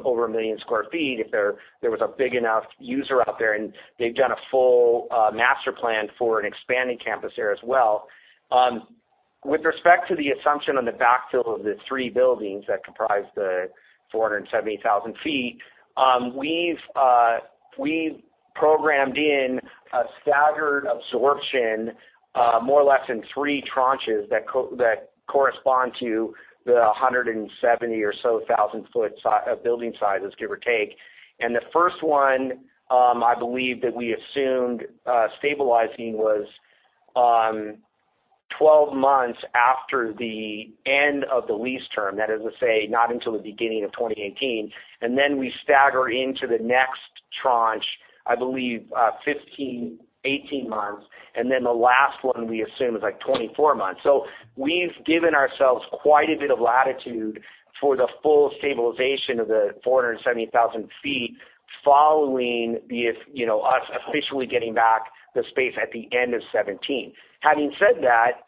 over 1 million sq ft if there was a big enough user out there, they've done a full master plan for an expanding campus there as well. With respect to the assumption on the backfill of the 3 buildings that comprise the 470,000 sq ft, we've programmed in a staggered absorption, more or less in 3 tranches that correspond to the 170,000 sq ft building sizes, give or take. The first one, I believe that we assumed stabilizing was 12 months after the end of the lease term. That is to say, not until the beginning of 2018. Then we stagger into the next tranche, I believe 15, 18 months. Then the last one we assume is like 24 months. We've given ourselves quite a bit of latitude for the full stabilization of the 470,000 sq ft following us officially getting back the space at the end of 2017. Having said that,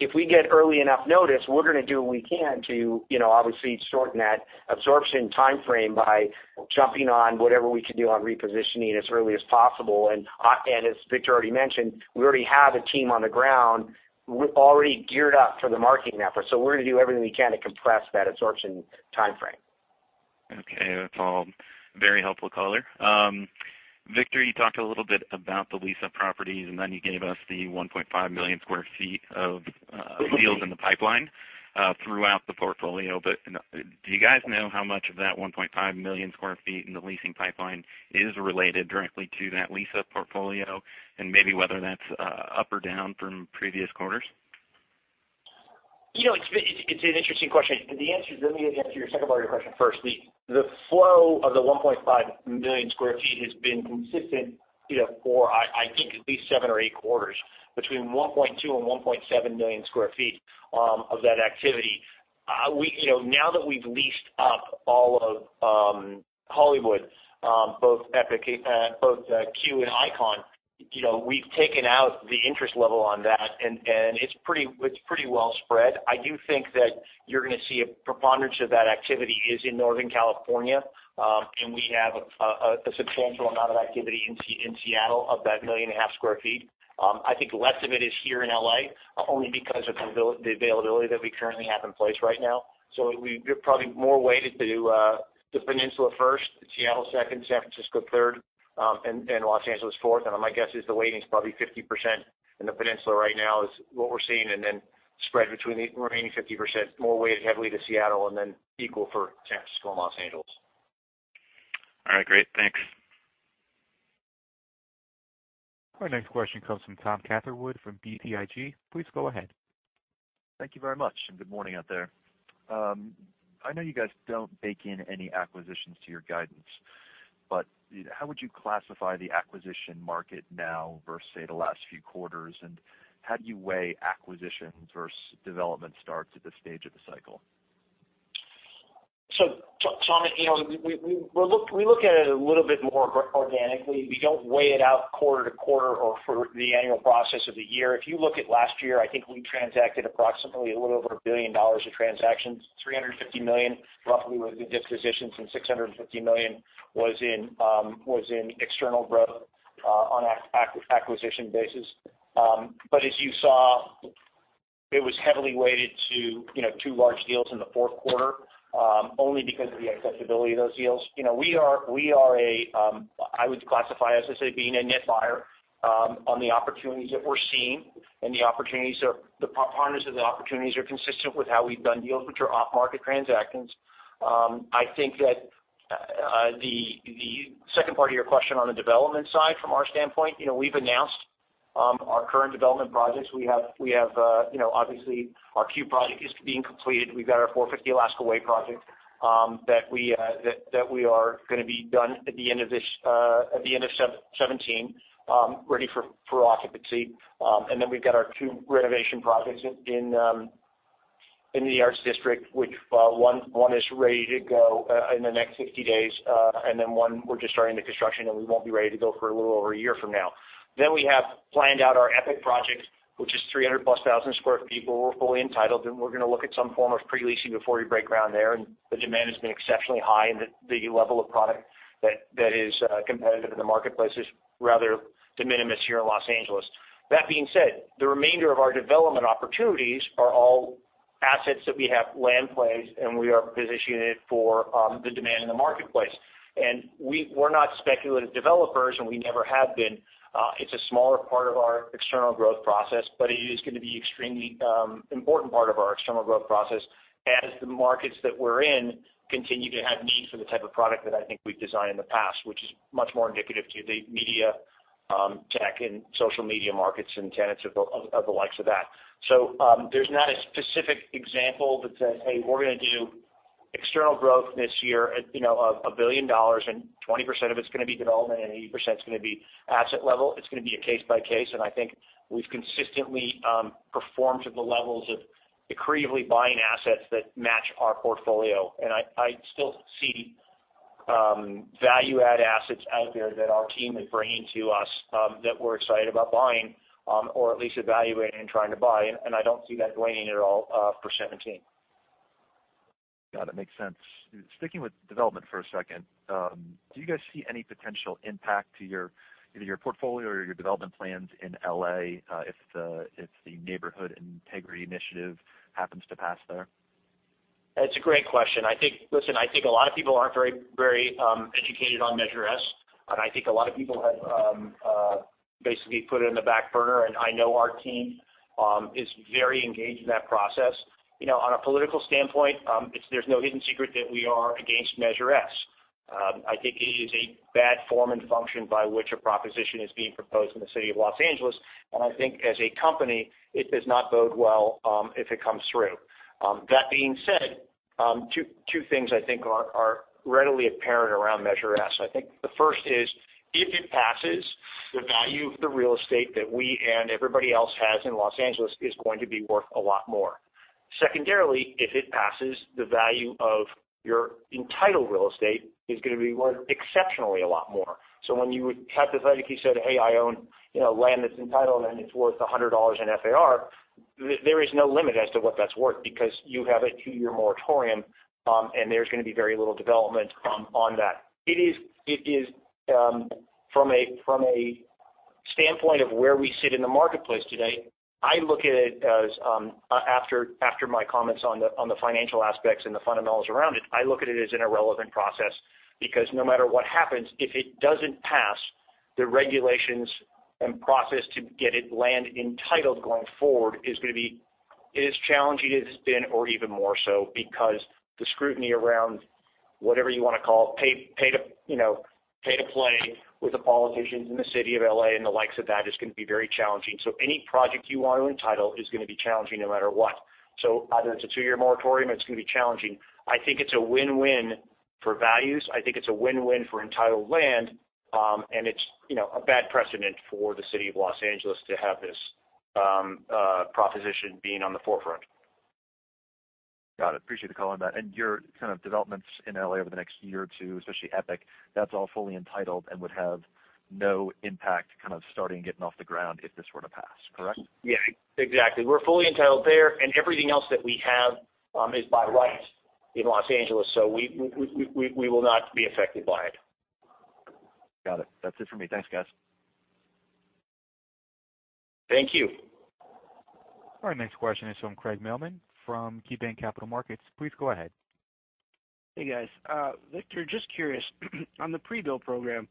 if we get early enough notice, we're going to do what we can to obviously shorten that absorption timeframe by jumping on whatever we can do on repositioning as early as possible. As Victor already mentioned, we already have a team on the ground already geared up for the marketing effort. We're going to do everything we can to compress that absorption timeframe. That's all very helpful color. Victor, you talked a little bit about the lease-up properties, and then you gave us the 1.5 million sq ft of deals in the pipeline throughout the portfolio. Do you guys know how much of that 1.5 million sq ft in the leasing pipeline is related directly to that lease-up portfolio, and maybe whether that's up or down from previous quarters? It's an interesting question. Let me answer your second part of your question first. The flow of the 1.5 million sq ft has been consistent, for I think at least seven or eight quarters, between 1.2 million and 1.7 million sq ft of that activity. Now that we've leased up all of Hollywood, both Epic and both Cue and Icon, we've taken out the interest level on that, and it's pretty well spread. I do think that you're going to see a preponderance of that activity is in Northern California. We have a substantial amount of activity in Seattle of that 1.5 million sq ft. I think less of it is here in L.A., only because of the availability that we currently have in place right now. We're probably more weighted to the Peninsula first, to Seattle second, San Francisco third, and then Los Angeles fourth. My guess is the weighting's probably 50% in the Peninsula right now is what we're seeing, and then spread between the remaining 50%, more weighted heavily to Seattle and then equal for San Francisco and Los Angeles. All right, great. Thanks. Our next question comes from Thomas Catherwood from BTIG. Please go ahead. Thank you very much. Good morning out there. I know you guys don't bake in any acquisitions to your guidance, how would you classify the acquisition market now versus, say, the last few quarters, and how do you weigh acquisitions versus development starts at this stage of the cycle? Tom, we look at it a little bit more organically. We don't weigh it out quarter to quarter or for the annual process of the year. If you look at last year, I think we transacted approximately a little over $1 billion of transactions, $350 million roughly was in dispositions and $650 million was in external growth on acquisition basis. As you saw, it was heavily weighted to 2 large deals in the fourth quarter, only because of the accessibility of those deals. I would classify us as being a net buyer on the opportunities that we're seeing, and the partners of the opportunities are consistent with how we've done deals, which are off-market transactions. I think that the second part of your question on the development side from our standpoint, we've announced our current development projects. Obviously, our Cue project is being completed. We've got our 450 Alaskan Way project that we are going to be done at the end of 2017, ready for occupancy. We've got our 2 renovation projects in the Arts District, which one is ready to go in the next 60 days. One we're just starting the construction, and we won't be ready to go for a little over a year from now. We have planned out our Epic project, which is 300-plus thousand sq ft. We're fully entitled, and we're going to look at some form of pre-leasing before we break ground there. The demand has been exceptionally high, and the level of product that is competitive in the marketplace is rather de minimis here in Los Angeles. That being said, the remainder of our development opportunities are all assets that we have land plays, and we are positioned for the demand in the marketplace. We are not speculative developers, and we never have been. It is a smaller part of our external growth process, but it is going to be extremely important part of our external growth process as the markets that we are in continue to have need for the type of product that I think we have designed in the past, which is much more indicative to the media, tech, and social media markets and tenants of the likes of that. There is not a specific example that says, "Hey, we are going to do external growth this year of $1 billion and 20% of it is going to be development and 80% is going to be asset level." It is going to be a case by case. I think we have consistently performed to the levels of accretively buying assets that match our portfolio. I still see value-add assets out there that our team is bringing to us that we are excited about buying or at least evaluating and trying to buy. I do not see that waning at all for 2017. Yeah, that makes sense. Sticking with development for a second, do you guys see any potential impact to either your portfolio or your development plans in L.A. if the Neighborhood Integrity Initiative happens to pass there? That is a great question. Listen, I think a lot of people are not very educated on Measure S, and I think a lot of people have basically put it in the back burner, and I know our team is very engaged in that process. On a political standpoint, there is no hidden secret that we are against Measure S. I think it is a bad form and function by which a proposition is being proposed in the city of Los Angeles. I think as a company, it does not bode well if it comes through. That being said, two things I think are readily apparent around Measure S. I think the first is, if it passes, the value of the real estate that we and everybody else has in Los Angeles is going to be worth a lot more. Secondarily, if it passes, the value of your entitled real estate is going to be worth exceptionally a lot more. When you hypothesize if you said, "Hey, I own land that's entitled and it's worth $100 in FAR," there is no limit as to what that's worth because you have a two-year moratorium, and there's going to be very little development on that. From a standpoint of where we sit in the marketplace today, I look at it as, after my comments on the financial aspects and the fundamentals around it, I look at it as an irrelevant process. No matter what happens, if it doesn't pass the regulations and process to get it land entitled going forward is going to be as challenging as it's been, or even more so, because the scrutiny around whatever you want to call pay to play with the politicians in the city of L.A. and the likes of that is going to be very challenging. Any project you want to entitle is going to be challenging no matter what. Either it's a two-year moratorium, it's going to be challenging. I think it's a win-win for values. I think it's a win-win for entitled land. It's a bad precedent for the city of Los Angeles to have this proposition being on the forefront. Got it. Appreciate the call on that. Your kind of developments in L.A. over the next year or two, especially Epic, that's all fully entitled and would have no impact kind of starting getting off the ground if this were to pass, correct? Yeah, exactly. We're fully entitled there, and everything else that we have is by right in Los Angeles, we will not be affected by it. Got it. That's it for me. Thanks, guys. Thank you. All right, next question is from Craig Mailman from KeyBanc Capital Markets. Please go ahead. Hey, guys. Victor, just curious on the pre-build program,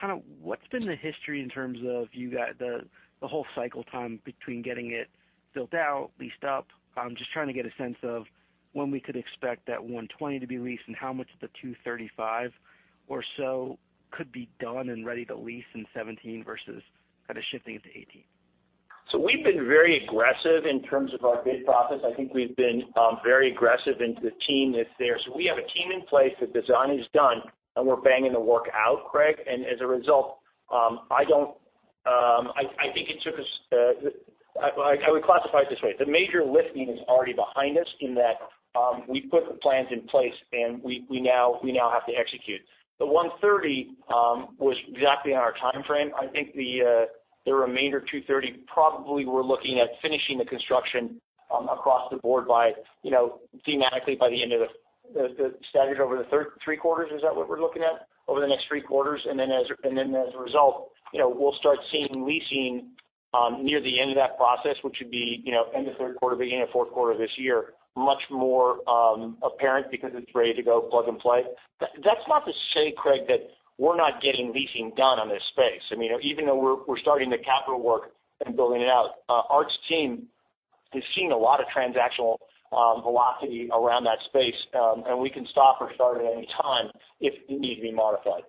kind of what's been the history in terms of you got the whole cycle time between getting it built out, leased up? I'm just trying to get a sense of when we could expect that 120 to be leased and how much of the 235 or so could be done and ready to lease in 2017 versus kind of shifting into 2018. We've been very aggressive in terms of our bid process. I think we've been very aggressive and the team that's there. We have a team in place. The design is done, and we're banging the work out, Craig. As a result, I would classify it this way. The major lifting is already behind us in that we put the plans in place, and we now have to execute. The 130 was exactly in our timeframe. I think the remainder 230 probably we're looking at finishing the construction across the board thematically by the end of the staggered over the three quarters. Is that what we're looking at? Over the next three quarters. As a result, we'll start seeing leasing near the end of that process, which would be end of third quarter, beginning of fourth quarter this year, much more apparent because it's ready to go plug and play. That's not to say, Craig, that we're not getting leasing done on this space. Even though we're starting the capital work and building it out, Art's team has seen a lot of transactional velocity around that space. We can stop or start at any time if it needs to be modified.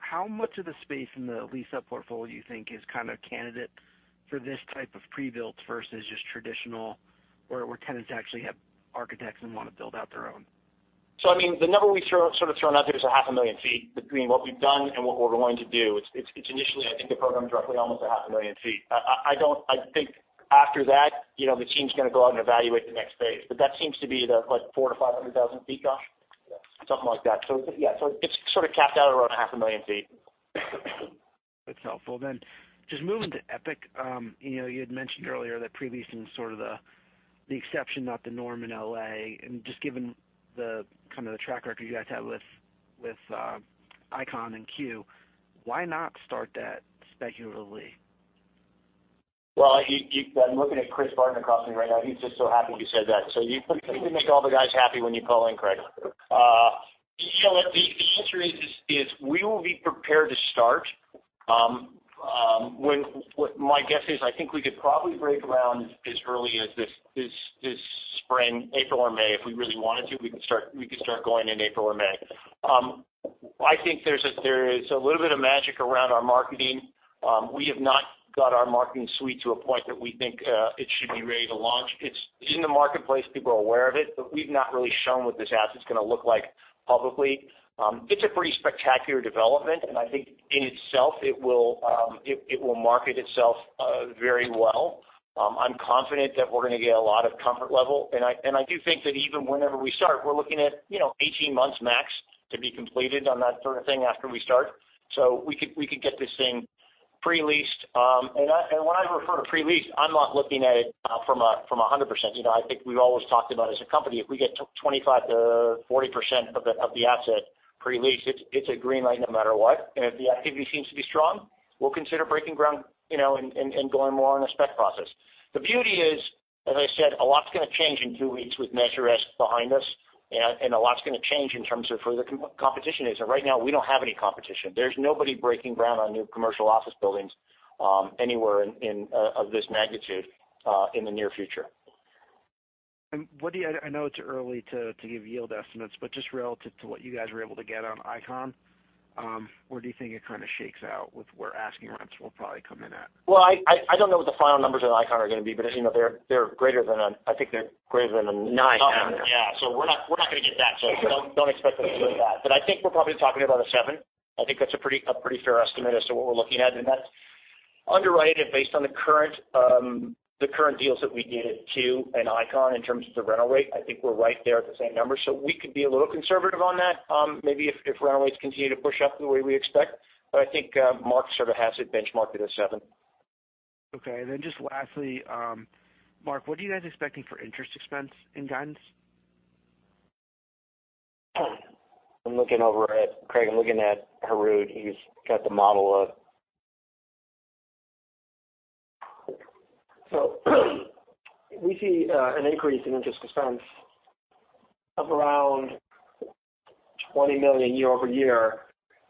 How much of the space in the lease-up portfolio do you think is kind of candidate for this type of pre-built versus just traditional where tenants actually have architects and want to build out their own? I mean, the number we sort of thrown out there is a half a million feet between what we've done and what we're going to do. It's initially, I think the program's roughly almost a half a million feet. I think after that, the team's going to go out and evaluate the next phase. That seems to be the like 400,000-500,000 feet, Josh? Yes. Something like that. Yeah, it's sort of capped out around half a million feet. That's helpful. Just moving to Epic. You had mentioned earlier that pre-leasing is sort of the exception, not the norm in L.A. Just given the kind of the track record you guys have with Icon and Cue, why not start that speculatively? Well, I'm looking at Chris Barton across me right now. He's just so happy you said that. You make all the guys happy when you call in, Craig. The answer is we will be prepared to start. My guess is I think we could probably break ground as early as this spring, April or May. If we really wanted to, we could start going in April or May. I think there is a little bit of magic around our marketing. We have not got our marketing suite to a point that we think it should be ready to launch. It's in the marketplace. People are aware of it, but we've not really shown what this asset's going to look like publicly. It's a pretty spectacular development, and I think in itself, it will market itself very well. I'm confident that we're going to get a lot of comfort level. I do think that even whenever we start, we're looking at 18 months max to be completed on that sort of thing after we start. We could get this thing pre-leased. When I refer to pre-leased, I'm not looking at it from 100%. I think we've always talked about as a company, if we get 25%-40% of the asset pre-leased, it's a green light no matter what. If the activity seems to be strong, we'll consider breaking ground and going more on a spec process. The beauty is, as I said, a lot's going to change in two weeks with Measure S behind us, a lot's going to change in terms of where the competition is. Right now, we don't have any competition. There's nobody breaking ground on new commercial office buildings anywhere of this magnitude in the near future. I know it's early to give yield estimates, but just relative to what you guys were able to get on Icon, where do you think it kind of shakes out with where asking rents will probably come in at? I don't know what the final numbers on Icon are going to be, but as you know, I think they're greater than 9% down there. Yeah. We're not going to get that. Don't expect us to get that. I think we're probably talking about 7%. I think that's a pretty fair estimate as to what we're looking at. That's underwritten and based on the current deals that we did at Cue and Icon in terms of the rental rate. I think we're right there at the same number. We could be a little conservative on that maybe if rental rates continue to push up the way we expect. I think Mark sort of has it benchmarked at 7%. Then just lastly, Mark, what are you guys expecting for interest expense and guidance? I'm looking over at Craig. I'm looking at Harout. He's got the model up. We see an increase in interest expense of around $20 million year-over-year,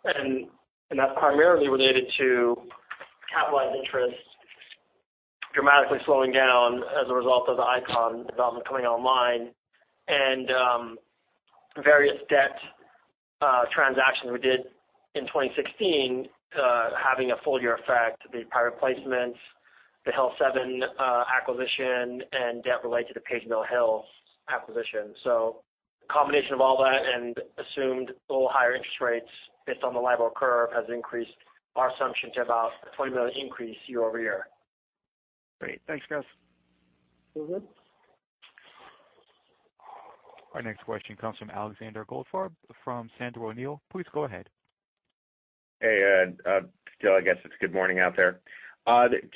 and that's primarily related to capitalized interest dramatically slowing down as a result of the Icon development coming online and various debt transactions we did in 2016 having a full year effect, the private placements, the Hill7 acquisition, and debt related to Page Mill Hill acquisition. The combination of all that and assumed a little higher interest rates based on the LIBOR curve has increased our assumption to about a $20 million increase year-over-year. Great. Thanks, guys. Our next question comes from Alexander Goldfarb from Sandler O'Neill. Please go ahead. Hey, Alex. Still, I guess it's good morning out there.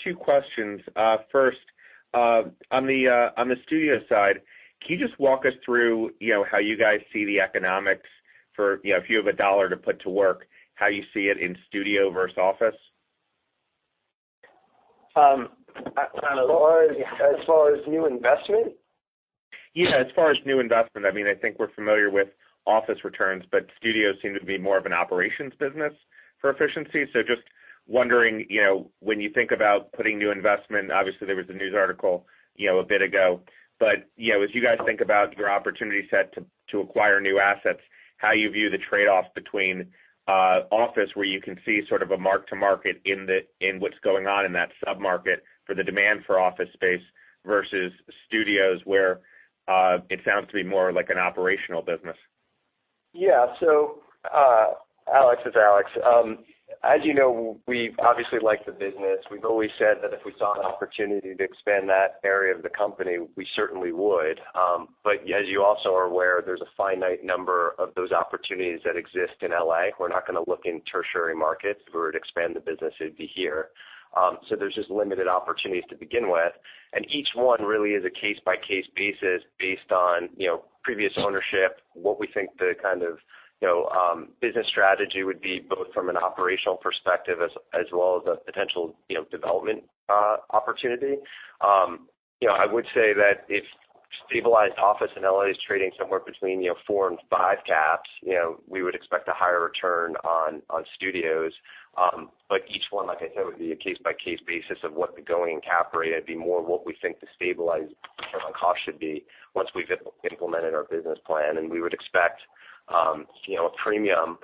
Two questions. First, on the studio side, can you just walk us through how you guys see the economics for if you have a dollar to put to work, how you see it in studio versus office? As far as new investment? Yeah, as far as new investment. I think we're familiar with office returns, but studios seem to be more of an operations business for efficiency. Just wondering, when you think about putting new investment, obviously there was a news article a bit ago, but as you guys think about your opportunity set to acquire new assets, how you view the trade-off between office, where you can see sort of a mark-to-market in what's going on in that sub-market for the demand for office space versus studios, where it sounds to be more like an operational business. Yeah. Alex, as you know, we obviously like the business. We've always said that if we saw an opportunity to expand that area of the company, we certainly would. But as you also are aware, there's a finite number of those opportunities that exist in L.A. We're not going to look in tertiary markets. If we were to expand the business, it would be here. There's just limited opportunities to begin with, and each one really is a case-by-case basis based on previous ownership, what we think the kind of business strategy would be, both from an operational perspective as well as a potential development opportunity. I would say that if stabilized office in L.A. is trading somewhere between four and five caps, we would expect a higher return on studios. Each one, like I said, would be a case-by-case basis of what the going cap rate would be more what we think the stabilized return on cost should be once we've implemented our business plan. We would expect a premium.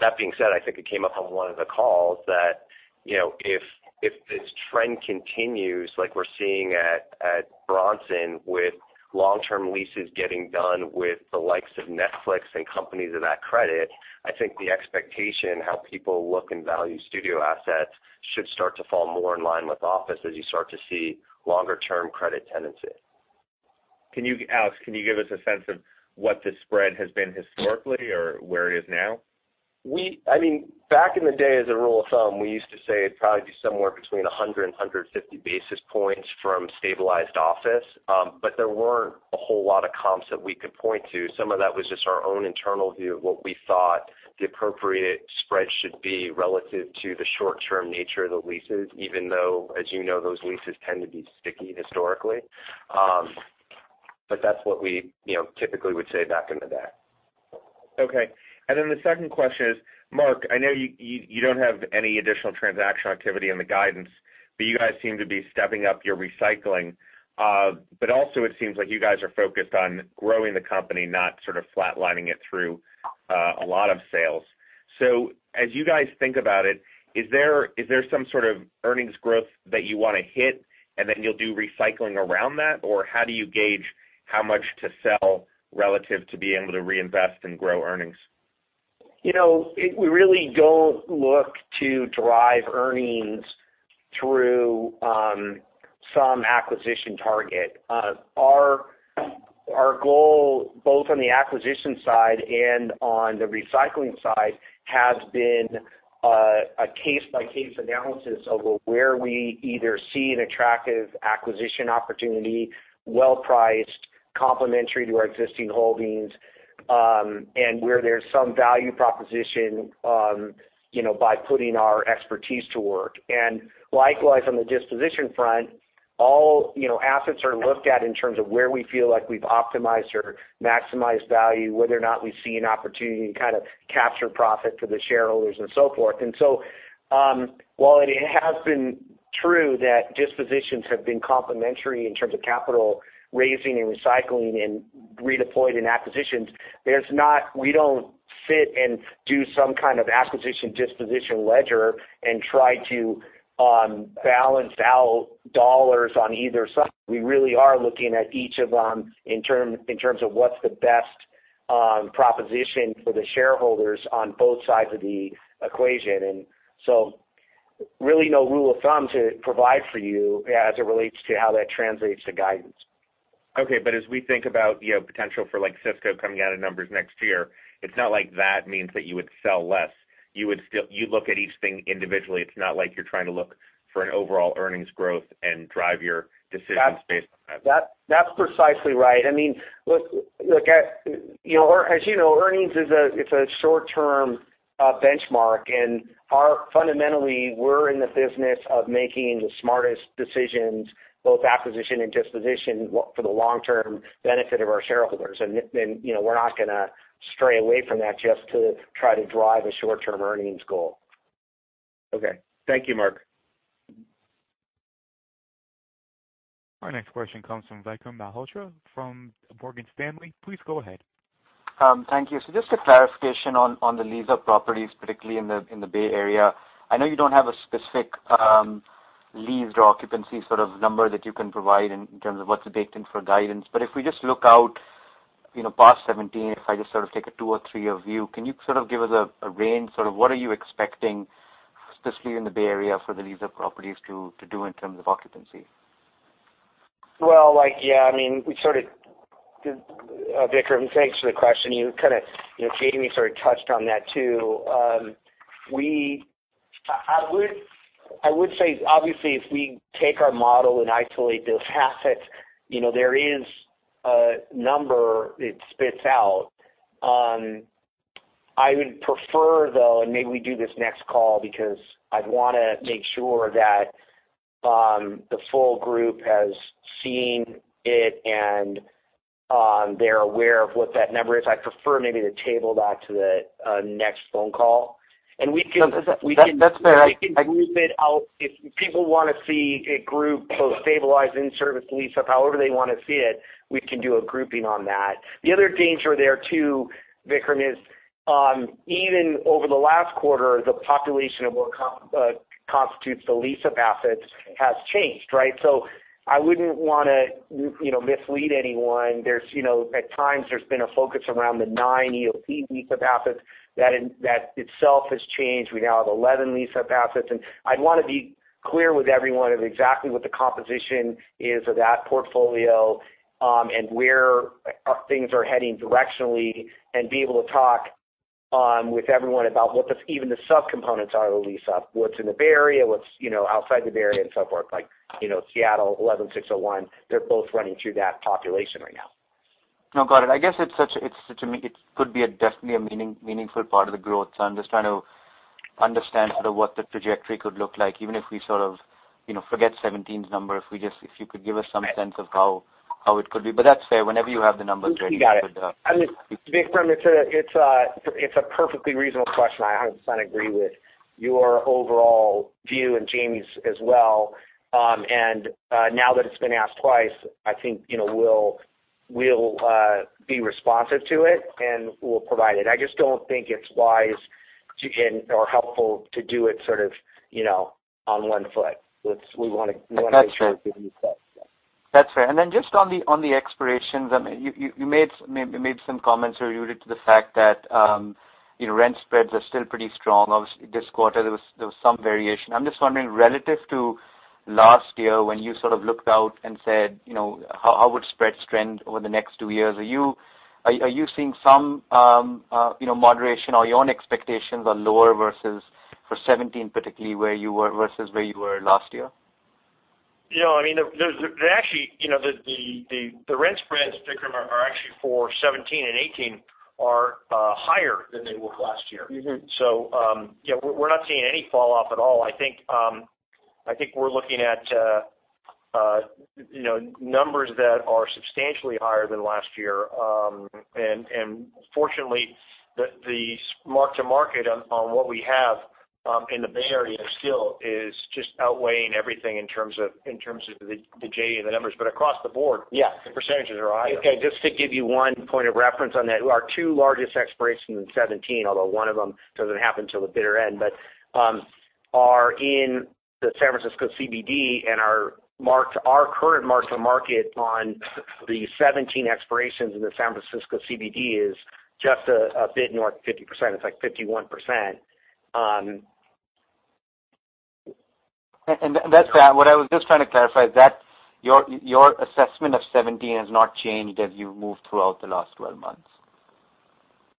That being said, I think it came up on one of the calls that if this trend continues like we're seeing at Bronson with long-term leases getting done with the likes of Netflix and companies of that credit, I think the expectation, how people look and value studio assets should start to fall more in line with office as you start to see longer-term credit tenancy. Alex, can you give us a sense of what the spread has been historically or where it is now? Back in the day, as a rule of thumb, we used to say it would probably be somewhere between 100 and 150 basis points from stabilized office. There weren't a whole lot of comps that we could point to. Some of that was just our own internal view of what we thought the appropriate spread should be relative to the short-term nature of the leases, even though, as you know, those leases tend to be sticky historically. That's what we typically would say back in the day. Okay. The second question is, Mark, I know you don't have any additional transaction activity in the guidance, but you guys seem to be stepping up your recycling. Also it seems like you guys are focused on growing the company, not sort of flatlining it through a lot of sales. As you guys think about it, is there some sort of earnings growth that you want to hit and then you'll do recycling around that? Or how do you gauge how much to sell relative to being able to reinvest and grow earnings? We really don't look to drive earnings through some acquisition target. Our goal, both on the acquisition side and on the recycling side, has been a case-by-case analysis of where we either see an attractive acquisition opportunity, well-priced, complementary to our existing holdings, and where there's some value proposition by putting our expertise to work. Likewise, on the disposition front, all assets are looked at in terms of where we feel like we've optimized or maximized value, whether or not we see an opportunity to kind of capture profit for the shareholders and so forth. While it has been true that dispositions have been complementary in terms of capital raising and recycling and redeployed in acquisitions, we don't sit and do some kind of acquisition disposition ledger and try to balance out dollars on either side. We really are looking at each of them in terms of what's the best proposition for the shareholders on both sides of the equation. Really no rule of thumb to provide for you as it relates to how that translates to guidance. Okay, as we think about potential for Cisco coming out in numbers next year, it's not like that means that you would sell less. You look at each thing individually. It's not like you're trying to look for an overall earnings growth and drive your decisions based on that. That's precisely right. As you know, earnings is a short-term benchmark, fundamentally, we're in the business of making the smartest decisions, both acquisition and disposition, for the long-term benefit of our shareholders. We're not going to stray away from that just to try to drive a short-term earnings goal. Okay. Thank you, Mark. Our next question comes from Vikram Malhotra from Morgan Stanley. Please go ahead. Thank you. Just a clarification on the lease-up properties, particularly in the Bay Area. I know you don't have a specific leased or occupancy sort of number that you can provide in terms of what to bake in for guidance. If we just look out past 2017, if I just sort of take a two or three-year view, can you sort of give us a range, sort of what are you expecting, specifically in the Bay Area, for the lease-up properties to do in terms of occupancy? Well, yeah. Vikram, thanks for the question. Jamie sort of touched on that, too. I would say, obviously, if we take our model and isolate those assets, there is a number it spits out. I would prefer, though, and maybe we do this next call, because I'd want to make sure that the full group has seen it and they're aware of what that number is. I'd prefer maybe to table that to the next phone call. That's fair. We can group it out. If people want to see a group, both stabilized, in-service, lease-up, however they want to see it, we can do a grouping on that. The other danger there, too, Vikram, is even over the last quarter, the population of what constitutes the lease-up assets has changed, right? I wouldn't want to mislead anyone. At times, there's been a focus around the nine EOP lease-up assets. That itself has changed. We now have 11 lease-up assets. I'd want to be clear with everyone of exactly what the composition is of that portfolio and where things are heading directionally, and be able to talk with everyone about what even the sub-components are of the lease-up, what's in the Bay Area, what's outside the Bay Area, and so forth. Like Seattle 11601, they're both running through that population right now. No, got it. I guess it could be definitely a meaningful part of the growth. I'm just trying to understand sort of what the trajectory could look like, even if we sort of forget 2017's number. If you could give us some sense of how it could be. That's fair. Whenever you have the numbers ready. You got it. Vikram, it's a perfectly reasonable question. I 100% agree with your overall view, and Jamie's as well. Now that it's been asked twice, I think we'll be responsive to it, and we'll provide it. I just don't think it's wise or helpful to do it sort of on one foot. That's fair make sure we give you that. That's fair. Then just on the expirations, you made some comments or you read to the fact that rent spreads are still pretty strong. Obviously, this quarter, there was some variation. I'm just wondering, relative to last year, when you sort of looked out and said, "How would spreads trend over the next two years?" Are you seeing some moderation? Are your own expectations are lower versus for 2017 particularly versus where you were last year? The rent spreads, Vikram, actually for 2017 and 2018 are higher than they were last year. We're not seeing any fall-off at all. I think we're looking at numbers that are substantially higher than last year. Fortunately, the mark-to-market on what we have in the Bay Area still is just outweighing everything in terms of the GA and the numbers. Across the board. Yeah the % are higher. Just to give you one point of reference on that. Our two largest expirations in 2017, although one of them doesn't happen till the bitter end, but are in the San Francisco CBD, and our current mark-to-market on the 2017 expirations in the San Francisco CBD is just a bit north of 50%. It's like 51%. That's fair. What I was just trying to clarify, your assessment of 2017 has not changed as you've moved throughout the last 12 months?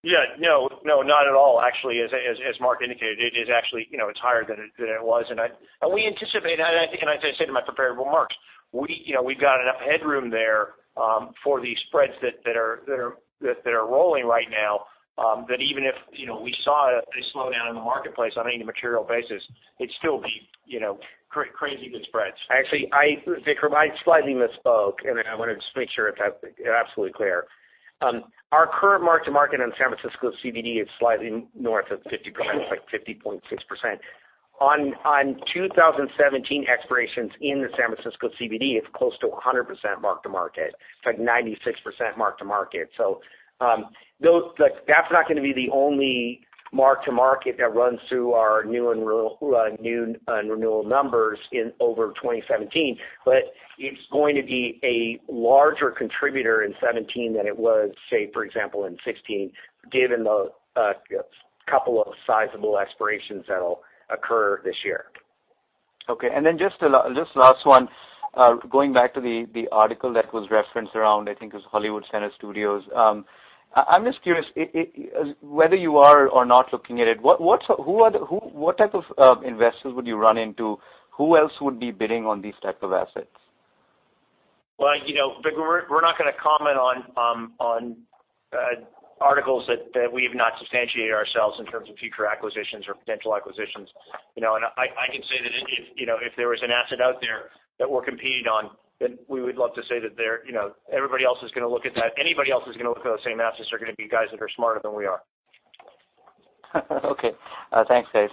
Yeah. No, not at all. Actually, as Mark indicated, it's higher than it was. We anticipate, and as I said in my prepared remarks, we've got enough headroom there for these spreads that are rolling right now, that even if we saw a slowdown in the marketplace on any material basis, it'd still be crazy good spreads. Actually, Vikram, I slightly misspoke, and I want to just make sure that I'm absolutely clear. Our current mark-to-market on San Francisco CBD is slightly north of 50%. It's like 50.6%. On 2017 expirations in the San Francisco CBD, it's close to 100% mark-to-market. It's like 96% mark-to-market. That's not going to be the only mark-to-market that runs through our new and renewal numbers over 2017. It's going to be a larger contributor in 2017 than it was, say, for example, in 2016, given the couple of sizable expirations that'll occur this year. Okay. Just last one. Going back to the article that was referenced around, I think it was Hollywood Center Studios. I'm just curious, whether you are or not looking at it, what type of investors would you run into? Who else would be bidding on these type of assets? Vikram, we're not going to comment on articles that we've not substantiated ourselves in terms of future acquisitions or potential acquisitions. I can say that if there was an asset out there that we're competing on, we would love to say that everybody else is going to look at that. Anybody else who's going to look at those same assets are going to be guys that are smarter than we are. Okay. Thanks, guys.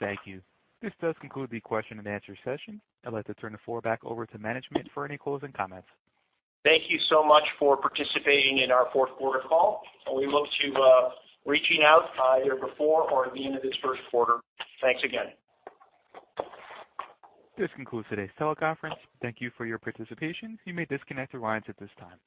Thank you. This does conclude the question-and-answer session. I'd like to turn the floor back over to management for any closing comments. Thank you so much for participating in our fourth quarter call. We look to reaching out either before or at the end of this first quarter. Thanks again. This concludes today's teleconference. Thank you for your participation. You may disconnect your lines at this time.